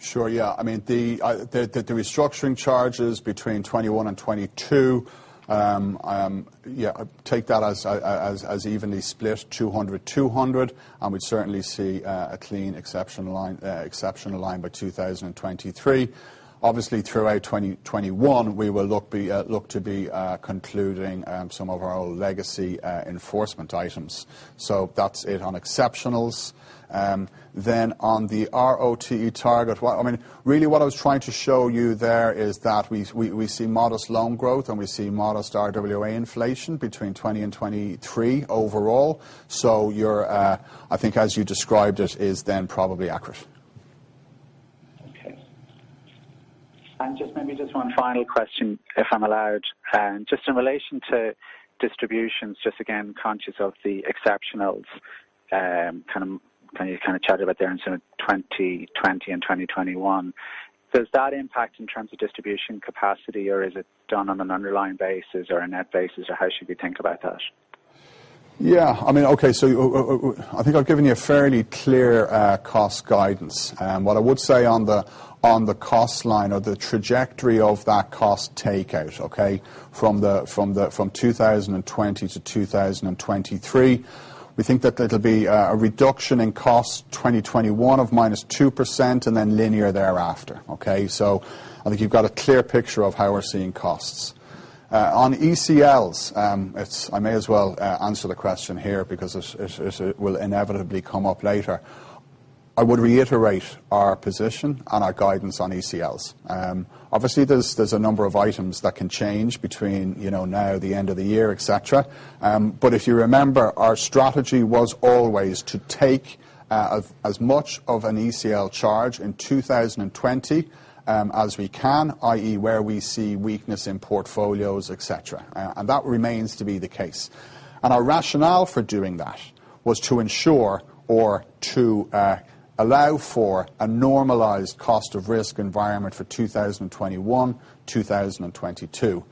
Sure, yeah. The restructuring charges between 2021 and 2022, take that as evenly split, 200/EUR 200. We certainly see a clean exceptional line by 2023. Obviously, throughout 2021, we will look to be concluding some of our old legacy enforcement items. That's it on exceptionals. On the ROTE target, really what I was trying to show you there is that we see modest loan growth and we see modest RWA inflation between 2020 and 2023 overall. Your, I think as you described it, is then probably accurate. Okay. Just maybe just one final question, if I am allowed. Just in relation to distributions, just again, conscious of the exceptionals, you kind of chatted about there in sort of 2020 and 2021. Does that impact in terms of distribution capacity, or is it done on an underlying basis or a net basis, or how should we think about that? I think I've given you a fairly clear cost guidance. What I would say on the cost line or the trajectory of that cost takeout, from 2020 to 2023, we think that it'll be a reduction in cost 2021 of minus 2% and then linear thereafter. I think you've got a clear picture of how we're seeing costs. On ECLs, I may as well answer the question here because it will inevitably come up later. I would reiterate our position and our guidance on ECLs. Obviously, there's a number of items that can change between now, the end of the year, et cetera. If you remember, our strategy was always to take as much of an ECL charge in 2020, as we can, i.e., where we see weakness in portfolios, et cetera. That remains to be the case. Our rationale for doing that was to ensure or to allow for a normalized cost of risk environment for 2021, 2022.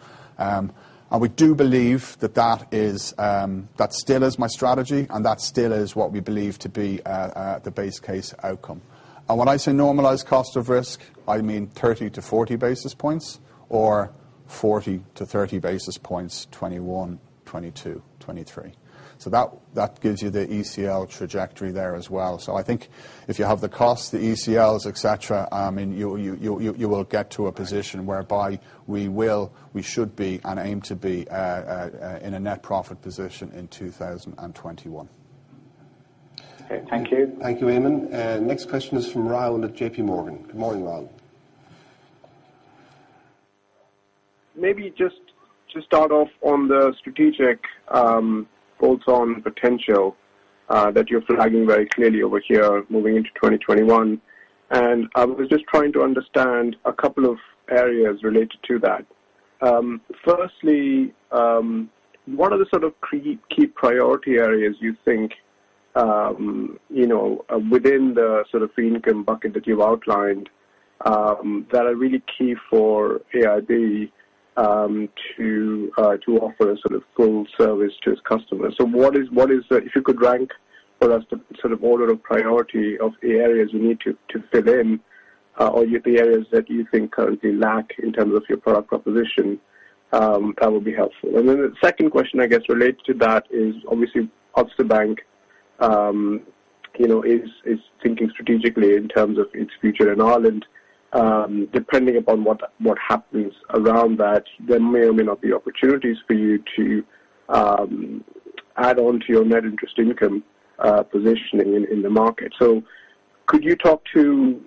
We do believe that that still is my strategy, and that still is what we believe to be the base case outcome. When I say normalized cost of risk, I mean 30-40 basis points or 40-30 basis points, 2021, 2022, 2023. That gives you the ECL trajectory there as well. I think if you have the costs, the ECLs, et cetera, you will get to a position whereby we will, we should be, and aim to be, in a net profit position in 2021. Okay, thank you. Thank you, Eamonn. Next question is from Rahul at JPMorgan. Good morning, Rahul. Maybe just to start off on the strategic bolts-on potential that you're flagging very clearly over here moving into 2021. I was just trying to understand a couple of areas related to that. Firstly, what are the sort of key priority areas you think, within the sort of fee income bucket that you've outlined, that are really key for AIB to offer a sort of full service to its customers? If you could rank for us the sort of order of priority of the areas you need to fill in, or the areas that you think currently lack in terms of your product proposition, that would be helpful. Then the second question, I guess, related to that is obviously Ulster Bank is thinking strategically in terms of its future in Ireland. Depending upon what happens around that, there may or may not be opportunities for you to add on to your net interest income positioning in the market. Could you talk to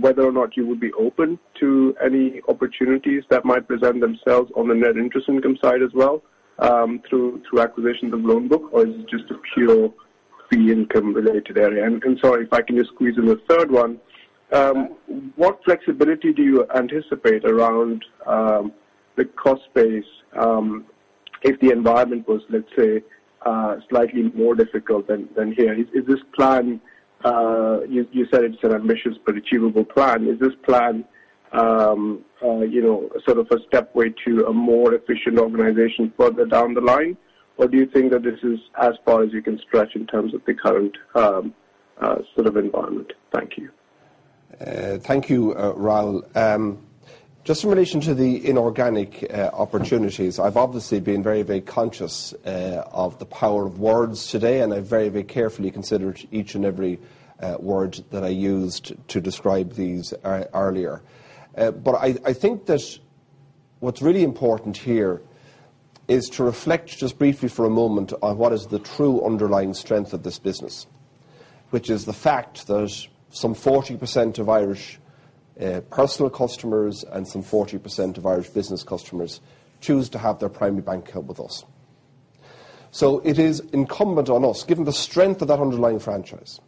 whether or not you would be open to any opportunities that might present themselves on the net interest income side as well, through acquisitions of loan book, or is it just a pure fee income related area? Sorry if I can just squeeze in a third one. What flexibility do you anticipate around the cost base if the environment was, let's say, slightly more difficult than here? You said it's an ambitious but achievable plan. Is this plan sort of a step way to a more efficient organization further down the line, or do you think that this is as far as you can stretch in terms of the current sort of environment? Thank you. Thank you, Rahul. Just in relation to the inorganic opportunities, I've obviously been very, very conscious of the power of words today, I very, very carefully considered each and every word that I used to describe these earlier. I think that what's really important here is to reflect just briefly for a moment on what is the true underlying strength of this business. Which is the fact that some 40% of Irish personal customers and some 40% of Irish business customers choose to have their primary bank account with us. It is incumbent on us, given the strength of that underlying franchise,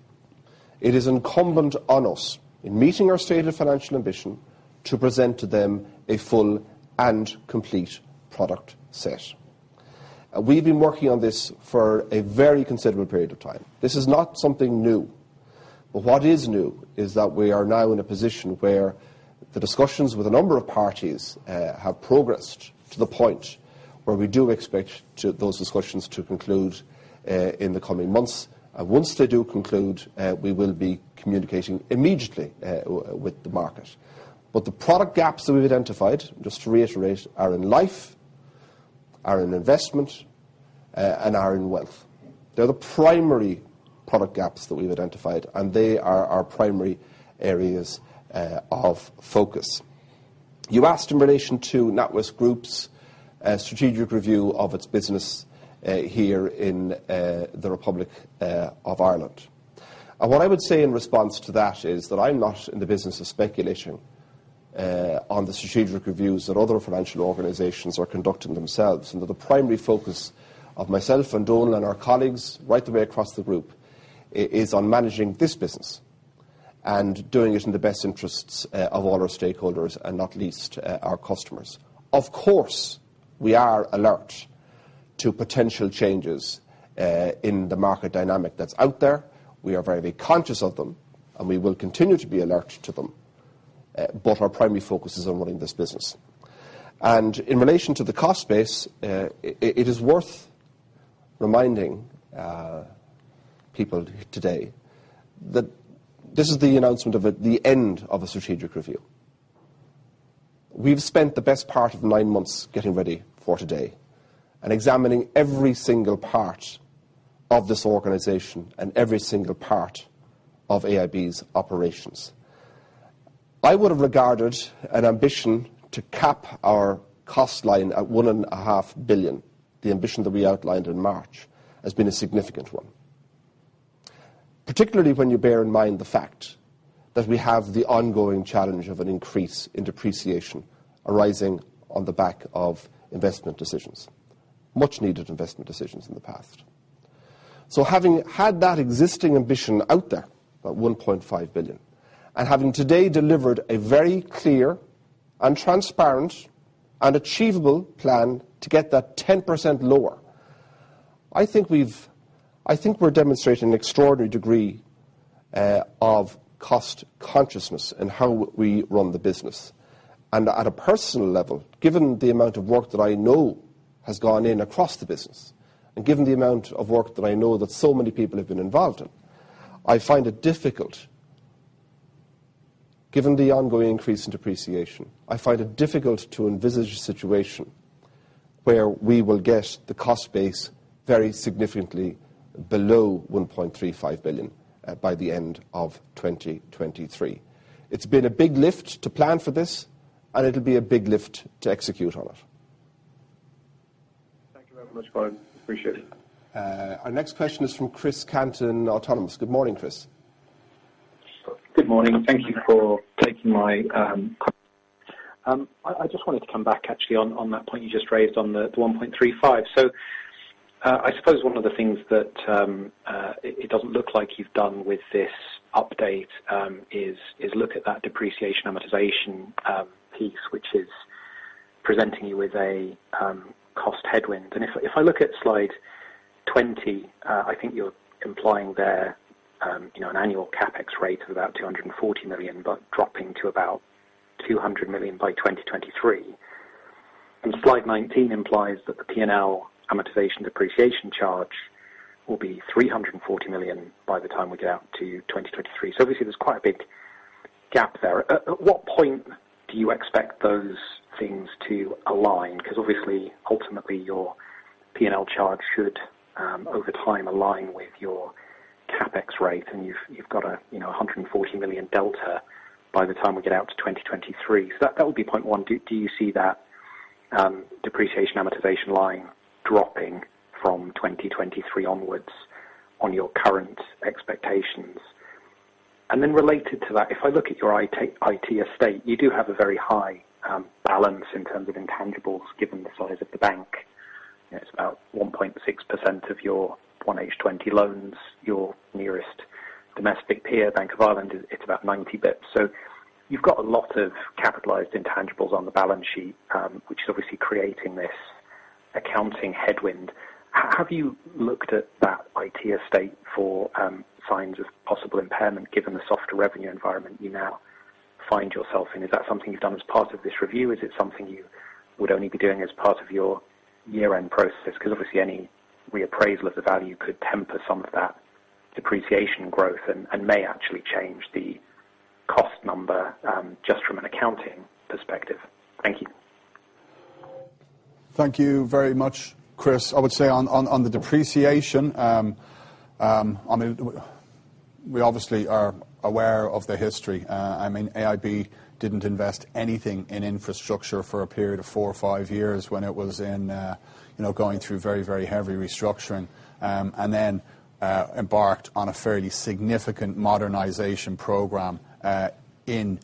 it is incumbent on us in meeting our stated financial ambition to present to them a full and complete product set. We've been working on this for a very considerable period of time. This is not something new. What is new is that we are now in a position where the discussions with a number of parties have progressed to the point where we do expect those discussions to conclude in the coming months. Once they do conclude, we will be communicating immediately with the market. The product gaps that we've identified, just to reiterate, are in life, are in investment, and are in wealth. They're the primary product gaps that we've identified, and they are our primary areas of focus. You asked in relation to NatWest Group's strategic review of its business here in the Republic of Ireland. What I would say in response to that is that I'm not in the business of speculation on the strategic reviews that other financial organizations are conducting themselves, and that the primary focus of myself and Donal and our colleagues right the way across the group, is on managing this business and doing it in the best interests of all our stakeholders, and not least our customers. Of course, we are alert to potential changes in the market dynamic that's out there. We are very conscious of them, and we will continue to be alert to them. Our primary focus is on running this business. In relation to the cost base, it is worth reminding people today that this is the announcement of the end of a strategic review. We've spent the best part of nine months getting ready for today and examining every single part of this organization and every single part of AIB's operations. I would have regarded an ambition to cap our cost line at one and a half billion, the ambition that we outlined in March, as being a significant one. Particularly when you bear in mind the fact that we have the ongoing challenge of an increase in depreciation arising on the back of investment decisions, much needed investment decisions in the past. Having had that existing ambition out there, that 1.5 billion, and having today delivered a very clear and transparent and achievable plan to get that 10% lower, I think we're demonstrating an extraordinary degree of cost consciousness in how we run the business. At a personal level, given the amount of work that I know has gone in across the business, and given the amount of work that I know that so many people have been involved in, I find it difficult. Given the ongoing increase in depreciation, I find it difficult to envisage a situation where we will get the cost base very significantly below 1.35 billion by the end of 2023. It's been a big lift to plan for this, and it'll be a big lift to execute on it. Thank you very much, Colin. Appreciate it. Our next question is from Chris Cant, Autonomous. Good morning, Chris. Good morning. Thank you for taking my call. I just wanted to come back actually on that point you just raised on the 1.35. I suppose one of the things that it doesn't look like you've done with this update is look at that depreciation amortization piece, which is presenting you with a cost headwind. If I look at slide 20, I think you're implying there an annual CapEx rate of about 240 million, but dropping to about 200 million by 2023. Slide 19 implies that the P&L amortization depreciation charge will be 340 million by the time we get out to 2023. Obviously there's quite a big gap there. At what point do you expect those things to align? Obviously, ultimately, your P&L charge should, over time, align with your CapEx rate, and you've got 140 million delta by the time we get out to 2023. That would be point one. Do you see that depreciation amortization line dropping from 2023 onwards on your current expectations? Related to that, if I look at your IT estate, you do have a very high balance in terms of intangibles, given the size of the bank. It's about 1.6% of your 1H 2020 loans. Your nearest domestic peer, Bank of Ireland, it's about 90 basis points. You've got a lot of capitalized intangibles on the balance sheet, which is obviously creating this accounting headwind. Have you looked at that IT estate for signs of possible impairment, given the softer revenue environment you now find yourself in? Is that something you've done as part of this review? Is it something you would only be doing as part of your year-end process? Obviously, any reappraisal of the value could temper some of that depreciation growth and may actually change the cost number, just from an accounting perspective. Thank you. Thank you very much, Chris. I would say on the depreciation, we obviously are aware of the history. AIB didn't invest anything in infrastructure for a period of four or five years when it was going through very, very heavy restructuring. Embarked on a fairly significant modernization program in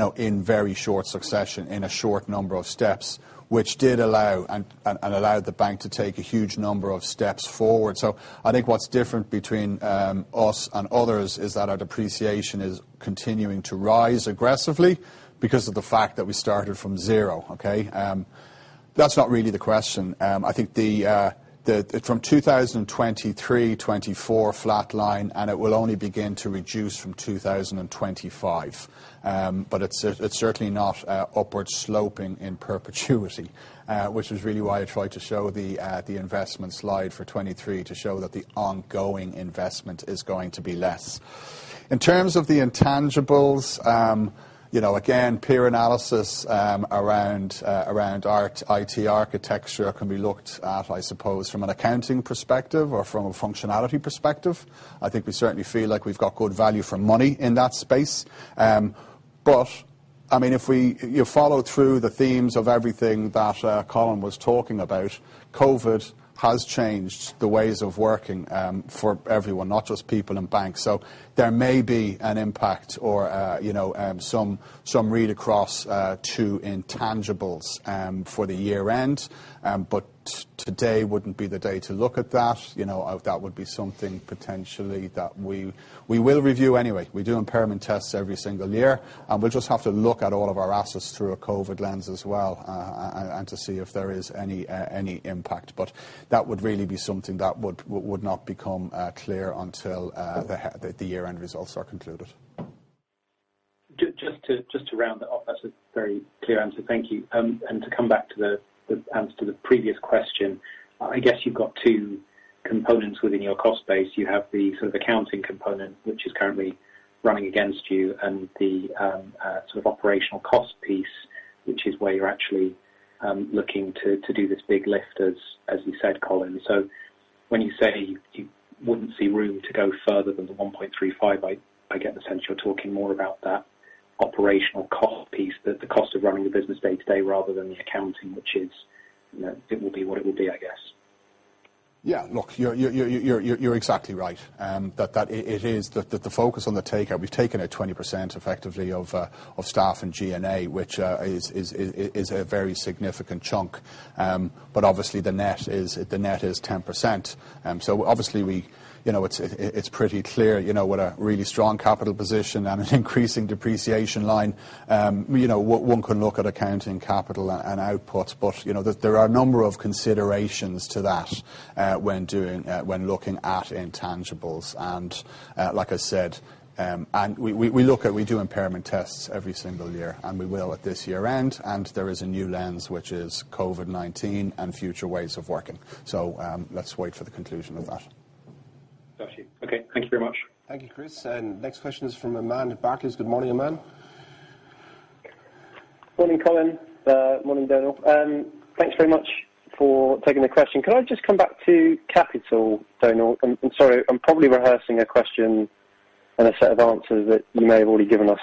very short succession, in a short number of steps, which did allow the bank to take a huge number of steps forward. I think what's different between us and others is that our depreciation is continuing to rise aggressively because of the fact that we started from zero. Okay? That's not really the question. I think from 2023, 2024, flatline, and it will only begin to reduce from 2025. It's certainly not upward sloping in perpetuity, which is really why I tried to show the investment slide for 2023 to show that the ongoing investment is going to be less. In terms of the intangibles, again, peer analysis around our IT architecture can be looked at, I suppose, from an accounting perspective or from a functionality perspective. I think we certainly feel like we've got good value for money in that space. If you follow through the themes of everything that Colin was talking about, COVID has changed the ways of working for everyone, not just people in banks. There may be an impact or some read-across to intangibles for the year-end. Today wouldn't be the day to look at that. That would be something potentially that we will review anyway. We do impairment tests every single year, and we'll just have to look at all of our assets through a COVID lens as well, and to see if there is any impact. That would really be something that would not become clear until the year-end results are concluded. Just to round that off, that's a very clear answer. Thank you. To come back to the previous question, I guess you've got two components within your cost base. You have the accounting component, which is currently running against you, and the operational cost piece, which is where you're actually looking to do this big lift, as you said, Colin. When you say you wouldn't see room to go further than the 1.35, I get the sense you're talking more about that operational cost piece, the cost of running the business day-to-day rather than the accounting, which is, it will be what it will be, I guess. Yeah. Look, you're exactly right. That the focus on the takeout, we've taken a 20%, effectively, of staff and G&A, which is a very significant chunk. Obviously the net is 10%. Obviously it's pretty clear, with a really strong capital position and an increasing depreciation line, one can look at accounting capital and outputs. There are a number of considerations to that when looking at intangibles, and like I said, we do impairment tests every single year, and we will at this year-end, and there is a new lens, which is COVID-19 and future ways of working. Let's wait for the conclusion of that. Got you. Okay. Thank you very much. Thank you, Chris. Next question is from Aman Bhargava. Good morning, Aman. Morning, Colin. Morning, Donal. Thanks very much for taking the question. Could I just come back to capital, Donal? I'm sorry, I'm probably rehearsing a question and a set of answers that you may have already given us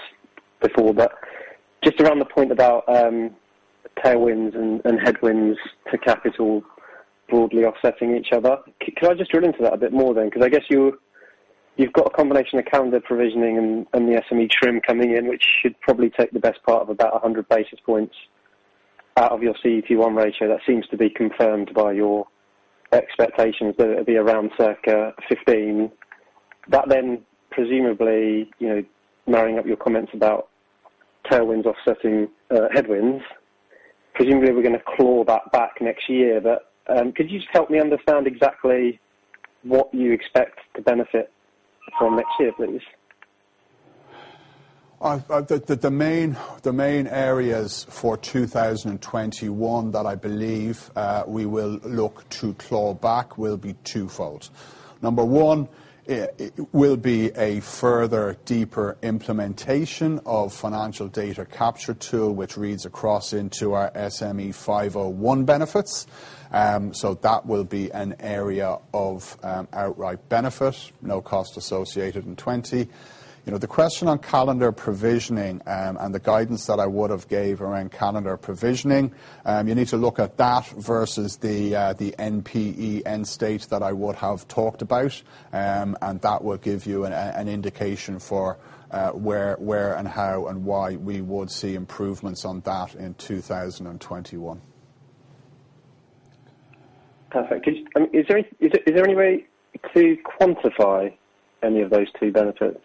before, just around the point about tailwinds and headwinds to capital broadly offsetting each other. Could I just drill into that a bit more then? I guess you've got a combination of calendar provisioning and the SME TRIM coming in, which should probably take the best part of about 100 basis points out of your CET1 ratio. That seems to be confirmed by your expectations that it will be around circa 15. That then presumably, marrying up your comments about tailwinds offsetting headwinds, presumably we are going to claw that back next year. Could you just help me understand exactly what you expect to benefit from next year, please? The main areas for 2021 that I believe we will look to claw back will be twofold. Number one will be a further deeper implementation of financial data capture tool, which reads across into our Article 501 benefits. That will be an area of outright benefit, no cost associated in 2020. The question on calendar provisioning and the guidance that I would have gave around calendar provisioning, you need to look at that versus the NPE end state that I would have talked about, and that will give you an indication for where and how and why we would see improvements on that in 2021. Perfect. Is there any way to quantify any of those two benefits?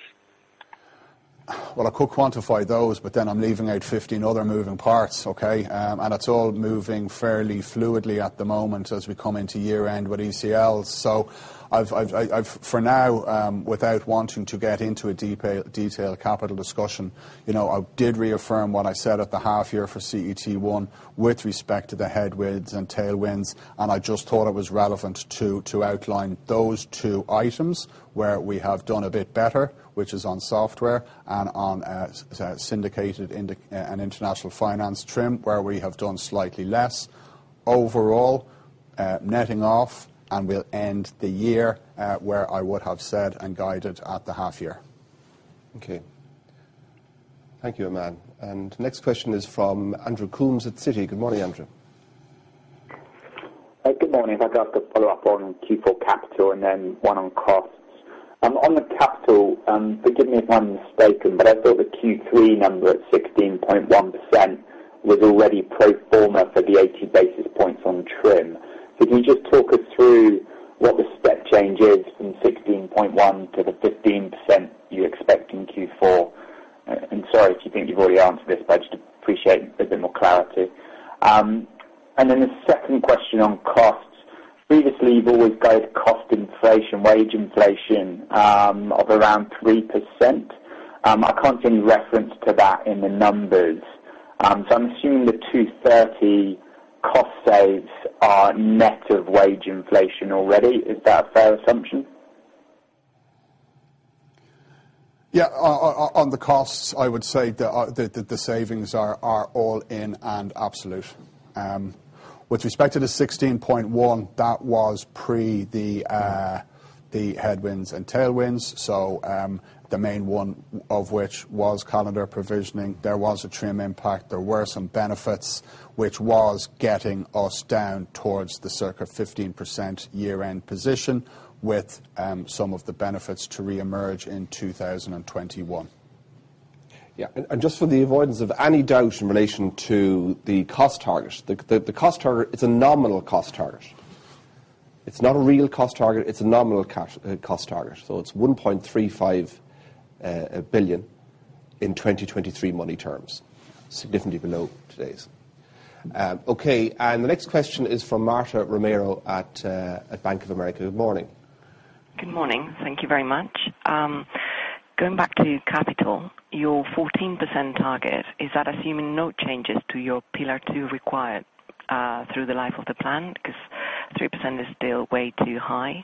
I could quantify those, but then I'm leaving out 15 other moving parts, okay? It's all moving fairly fluidly at the moment as we come into year-end with ECL. For now, without wanting to get into a detailed capital discussion, I did reaffirm what I said at the half year for CET1 with respect to the headwinds and tailwinds, and I just thought it was relevant to outline those two items where we have done a bit better, which is on software and on syndicated and international finance TRIM, where we have done slightly less overall, netting off and will end the year where I would have said and guided at the half year. Okay. Thank you, Aman. Next question is from Andrew Coombs at Citi. Good morning, Andrew. Good morning. I could ask a follow-up on Q4 capital and then one on costs. The capital, forgive me if I'm mistaken, but I thought the Q3 number at 16.1% was already pro forma for the 80 basis points on TRIM. Could you just talk us through what the step change is from 16.1% to the 15% you expect in Q4? Sorry if you think you've already answered this, but I'd just appreciate a bit more clarity. The second question on costs. Previously, you've always guided cost inflation, wage inflation of around 3%. I can't see any reference to that in the numbers. I'm assuming the 230 cost saves are net of wage inflation already. Is that a fair assumption? Yeah. On the costs, I would say that the savings are all in and absolute. With respect to the 16.1%, that was pre the headwinds and tailwinds, so the main one of which was calendar provisioning. There was a TRIM impact, there were some benefits, which was getting us down towards the circa 15% year-end position with some of the benefits to reemerge in 2021. Yeah. Just for the avoidance of any doubt in relation to the cost target. The cost target, it's a nominal cost target. It's not a real cost target, it's a nominal cost target. It's 1.35 billion in 2023 money terms, significantly below today's. Okay, the next question is from Marta Romero at Bank of America. Good morning. Good morning. Thank you very much. Going back to capital, your 14% target, is that assuming no changes to your Pillar 2 required through the life of the plan? 3% is still way too high.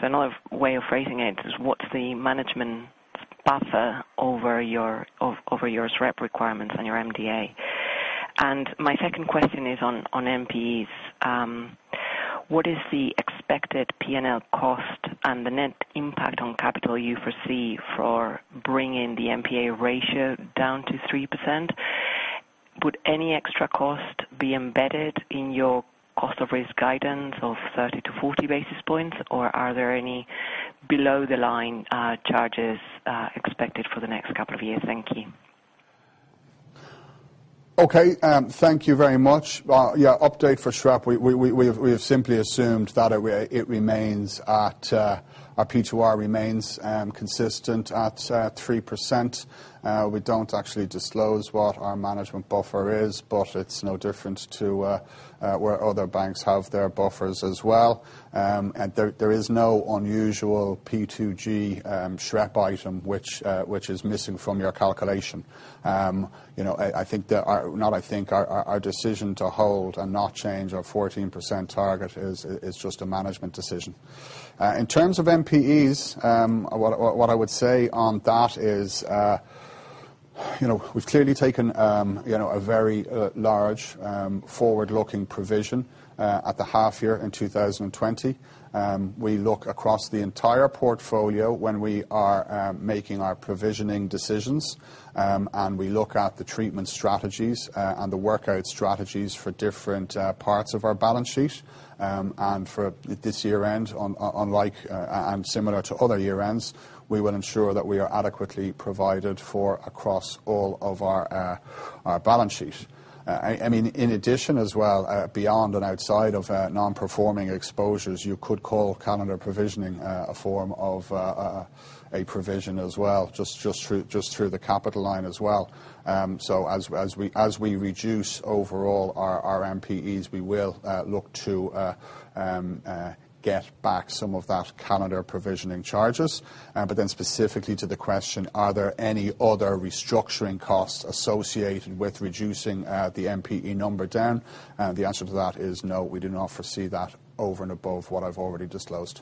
Another way of phrasing it is what's the management buffer over your SREP requirements on your MDA? My second question is on NPEs. What is the expected P&L cost and the net impact on capital you foresee for bringing the NPA ratio down to 3%? Any extra cost be embedded in your cost of risk guidance of 30-40 basis points, are there any below the line charges expected for the next couple of years? Thank you. Okay. Thank you very much. Yeah, update for SREP. We have simply assumed that our P2R remains consistent at 3%. We don't actually disclose what our management buffer is, it's no different to where other banks have their buffers as well. There is no unusual P2G SREP item which is missing from your calculation. Our decision to hold and not change our 14% target is just a management decision. In terms of MPEs, what I would say on that is. We've clearly taken a very large forward-looking provision at the half year in 2020. We look across the entire portfolio when we are making our provisioning decisions, and we look at the treatment strategies, and the workout strategies for different parts of our balance sheet. For this year-end, unlike and similar to other year-ends, we will ensure that we are adequately provided for across all of our balance sheet. In addition as well, beyond and outside of non-performing exposures, you could call calendar provisioning a form of a provision as well, just through the capital line as well. As we reduce overall our MPEs, we will look to get back some of that calendar provisioning charges. Specifically to the question, are there any other restructuring costs associated with reducing the MPE number down? The answer to that is no, we do not foresee that over and above what I've already disclosed.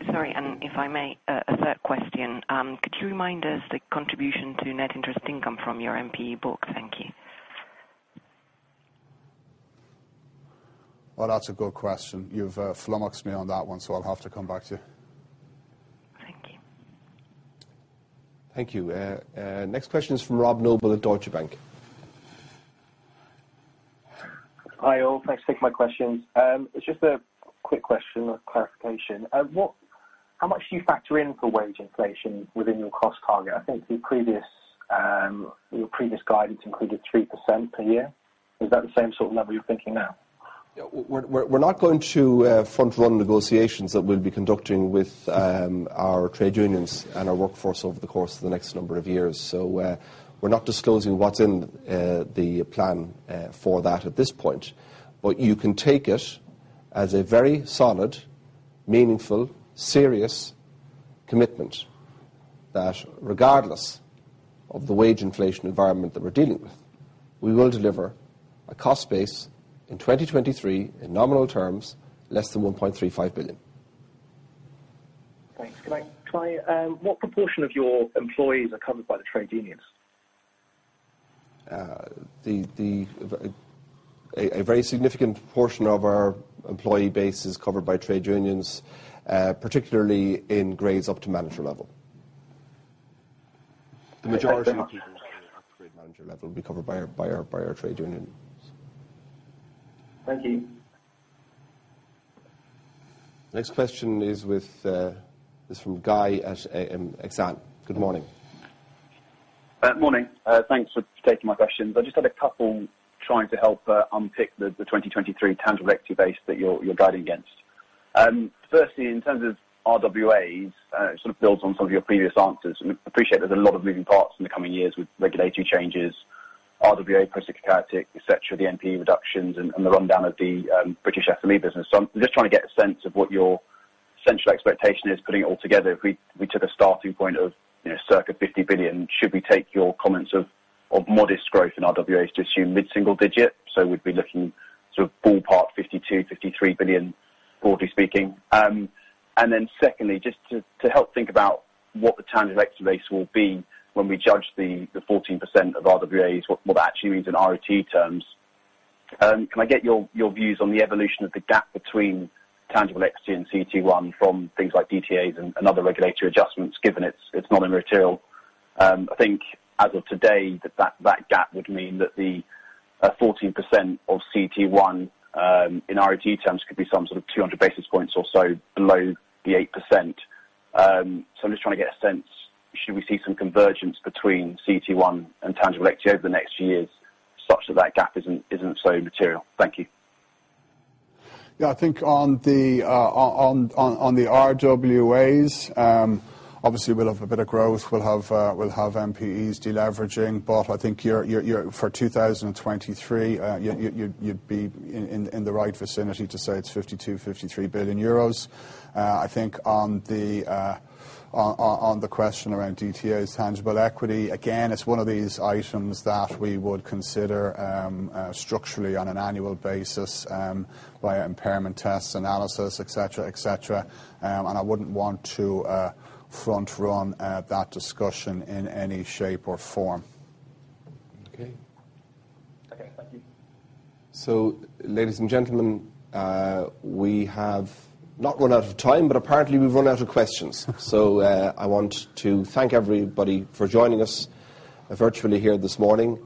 Thank you. Sorry, if I may, a third question. Could you remind us the contribution to net interest income from your MPE book? Thank you. Well, that's a good question. You've flummoxed me on that one, so I'll have to come back to you. Thank you. Thank you. Next question is from Rob Noble at Deutsche Bank. Hi, all. Thanks for taking my questions. It is just a quick question of clarification. How much do you factor in for wage inflation within your cost target? I think your previous guidance included 3% per year. Is that the same sort of level you are thinking now? We're not going to front-run negotiations that we'll be conducting with our trade unions and our workforce over the course of the next number of years. We're not disclosing what's in the plan for that at this point. You can take it as a very solid, meaningful, serious commitment, that regardless of the wage inflation environment that we're dealing with, we will deliver a cost base in 2023, in nominal terms, less than 1.35 billion. Thanks. What proportion of your employees are covered by the trade unions? A very significant portion of our employee base is covered by trade unions, particularly in grades up to manager level. Okay. The majority of people up to grade manager level will be covered by our trade unions. Thank you. Next question is from Guy at Exane. Good morning. Morning. Thanks for taking my questions. I just had a couple trying to help unpick the 2023 tangible equity base that you're guiding against. Firstly, in terms of RWA, it sort of builds on some of your previous answers. Appreciate there's a lot of moving parts in the coming years with regulatory changes, RWA post-CCR, et cetera, the NPE reductions and the rundown of the British SME business. I'm just trying to get a sense of what your central expectation is, putting it all together, if we took a starting point of circa 50 billion. Should we take your comments of modest growth in RWA to assume mid-single digit? We'd be looking sort of ballpark 52 billion-53 billion, broadly speaking. Secondly, just to help think about what the tangible equity base will be when we judge the 14% of RWAs, what that actually means in ROTE terms. Can I get your views on the evolution of the gap between tangible equity and CET1 from things like DTAs and other regulatory adjustments, given it's non-material? I think as of today, that gap would mean that the 14% of CET1, in ROT terms, could be some sort of 200 basis points or so below the 8%. I'm just trying to get a sense, should we see some convergence between CET1 and tangible equity over the next few years such that that gap isn't so material? Thank you. I think on the RWAs, obviously we'll have a bit of growth. We'll have MPEs deleveraging. I think for 2023, you'd be in the right vicinity to say it's 52 billion-53 billion euros. I think on the question around DTAs, tangible equity, again, it's one of these items that we would consider structurally on an annual basis, via impairment tests, analysis, et cetera. I wouldn't want to front-run that discussion in any shape or form. Okay. Thank you. Ladies and gentlemen, we have not run out of time, but apparently we've run out of questions. I want to thank everybody for joining us virtually here this morning.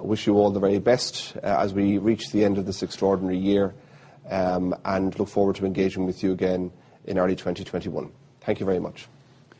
Wish you all the very best as we reach the end of this extraordinary year, and look forward to engaging with you again in early 2021. Thank you very much.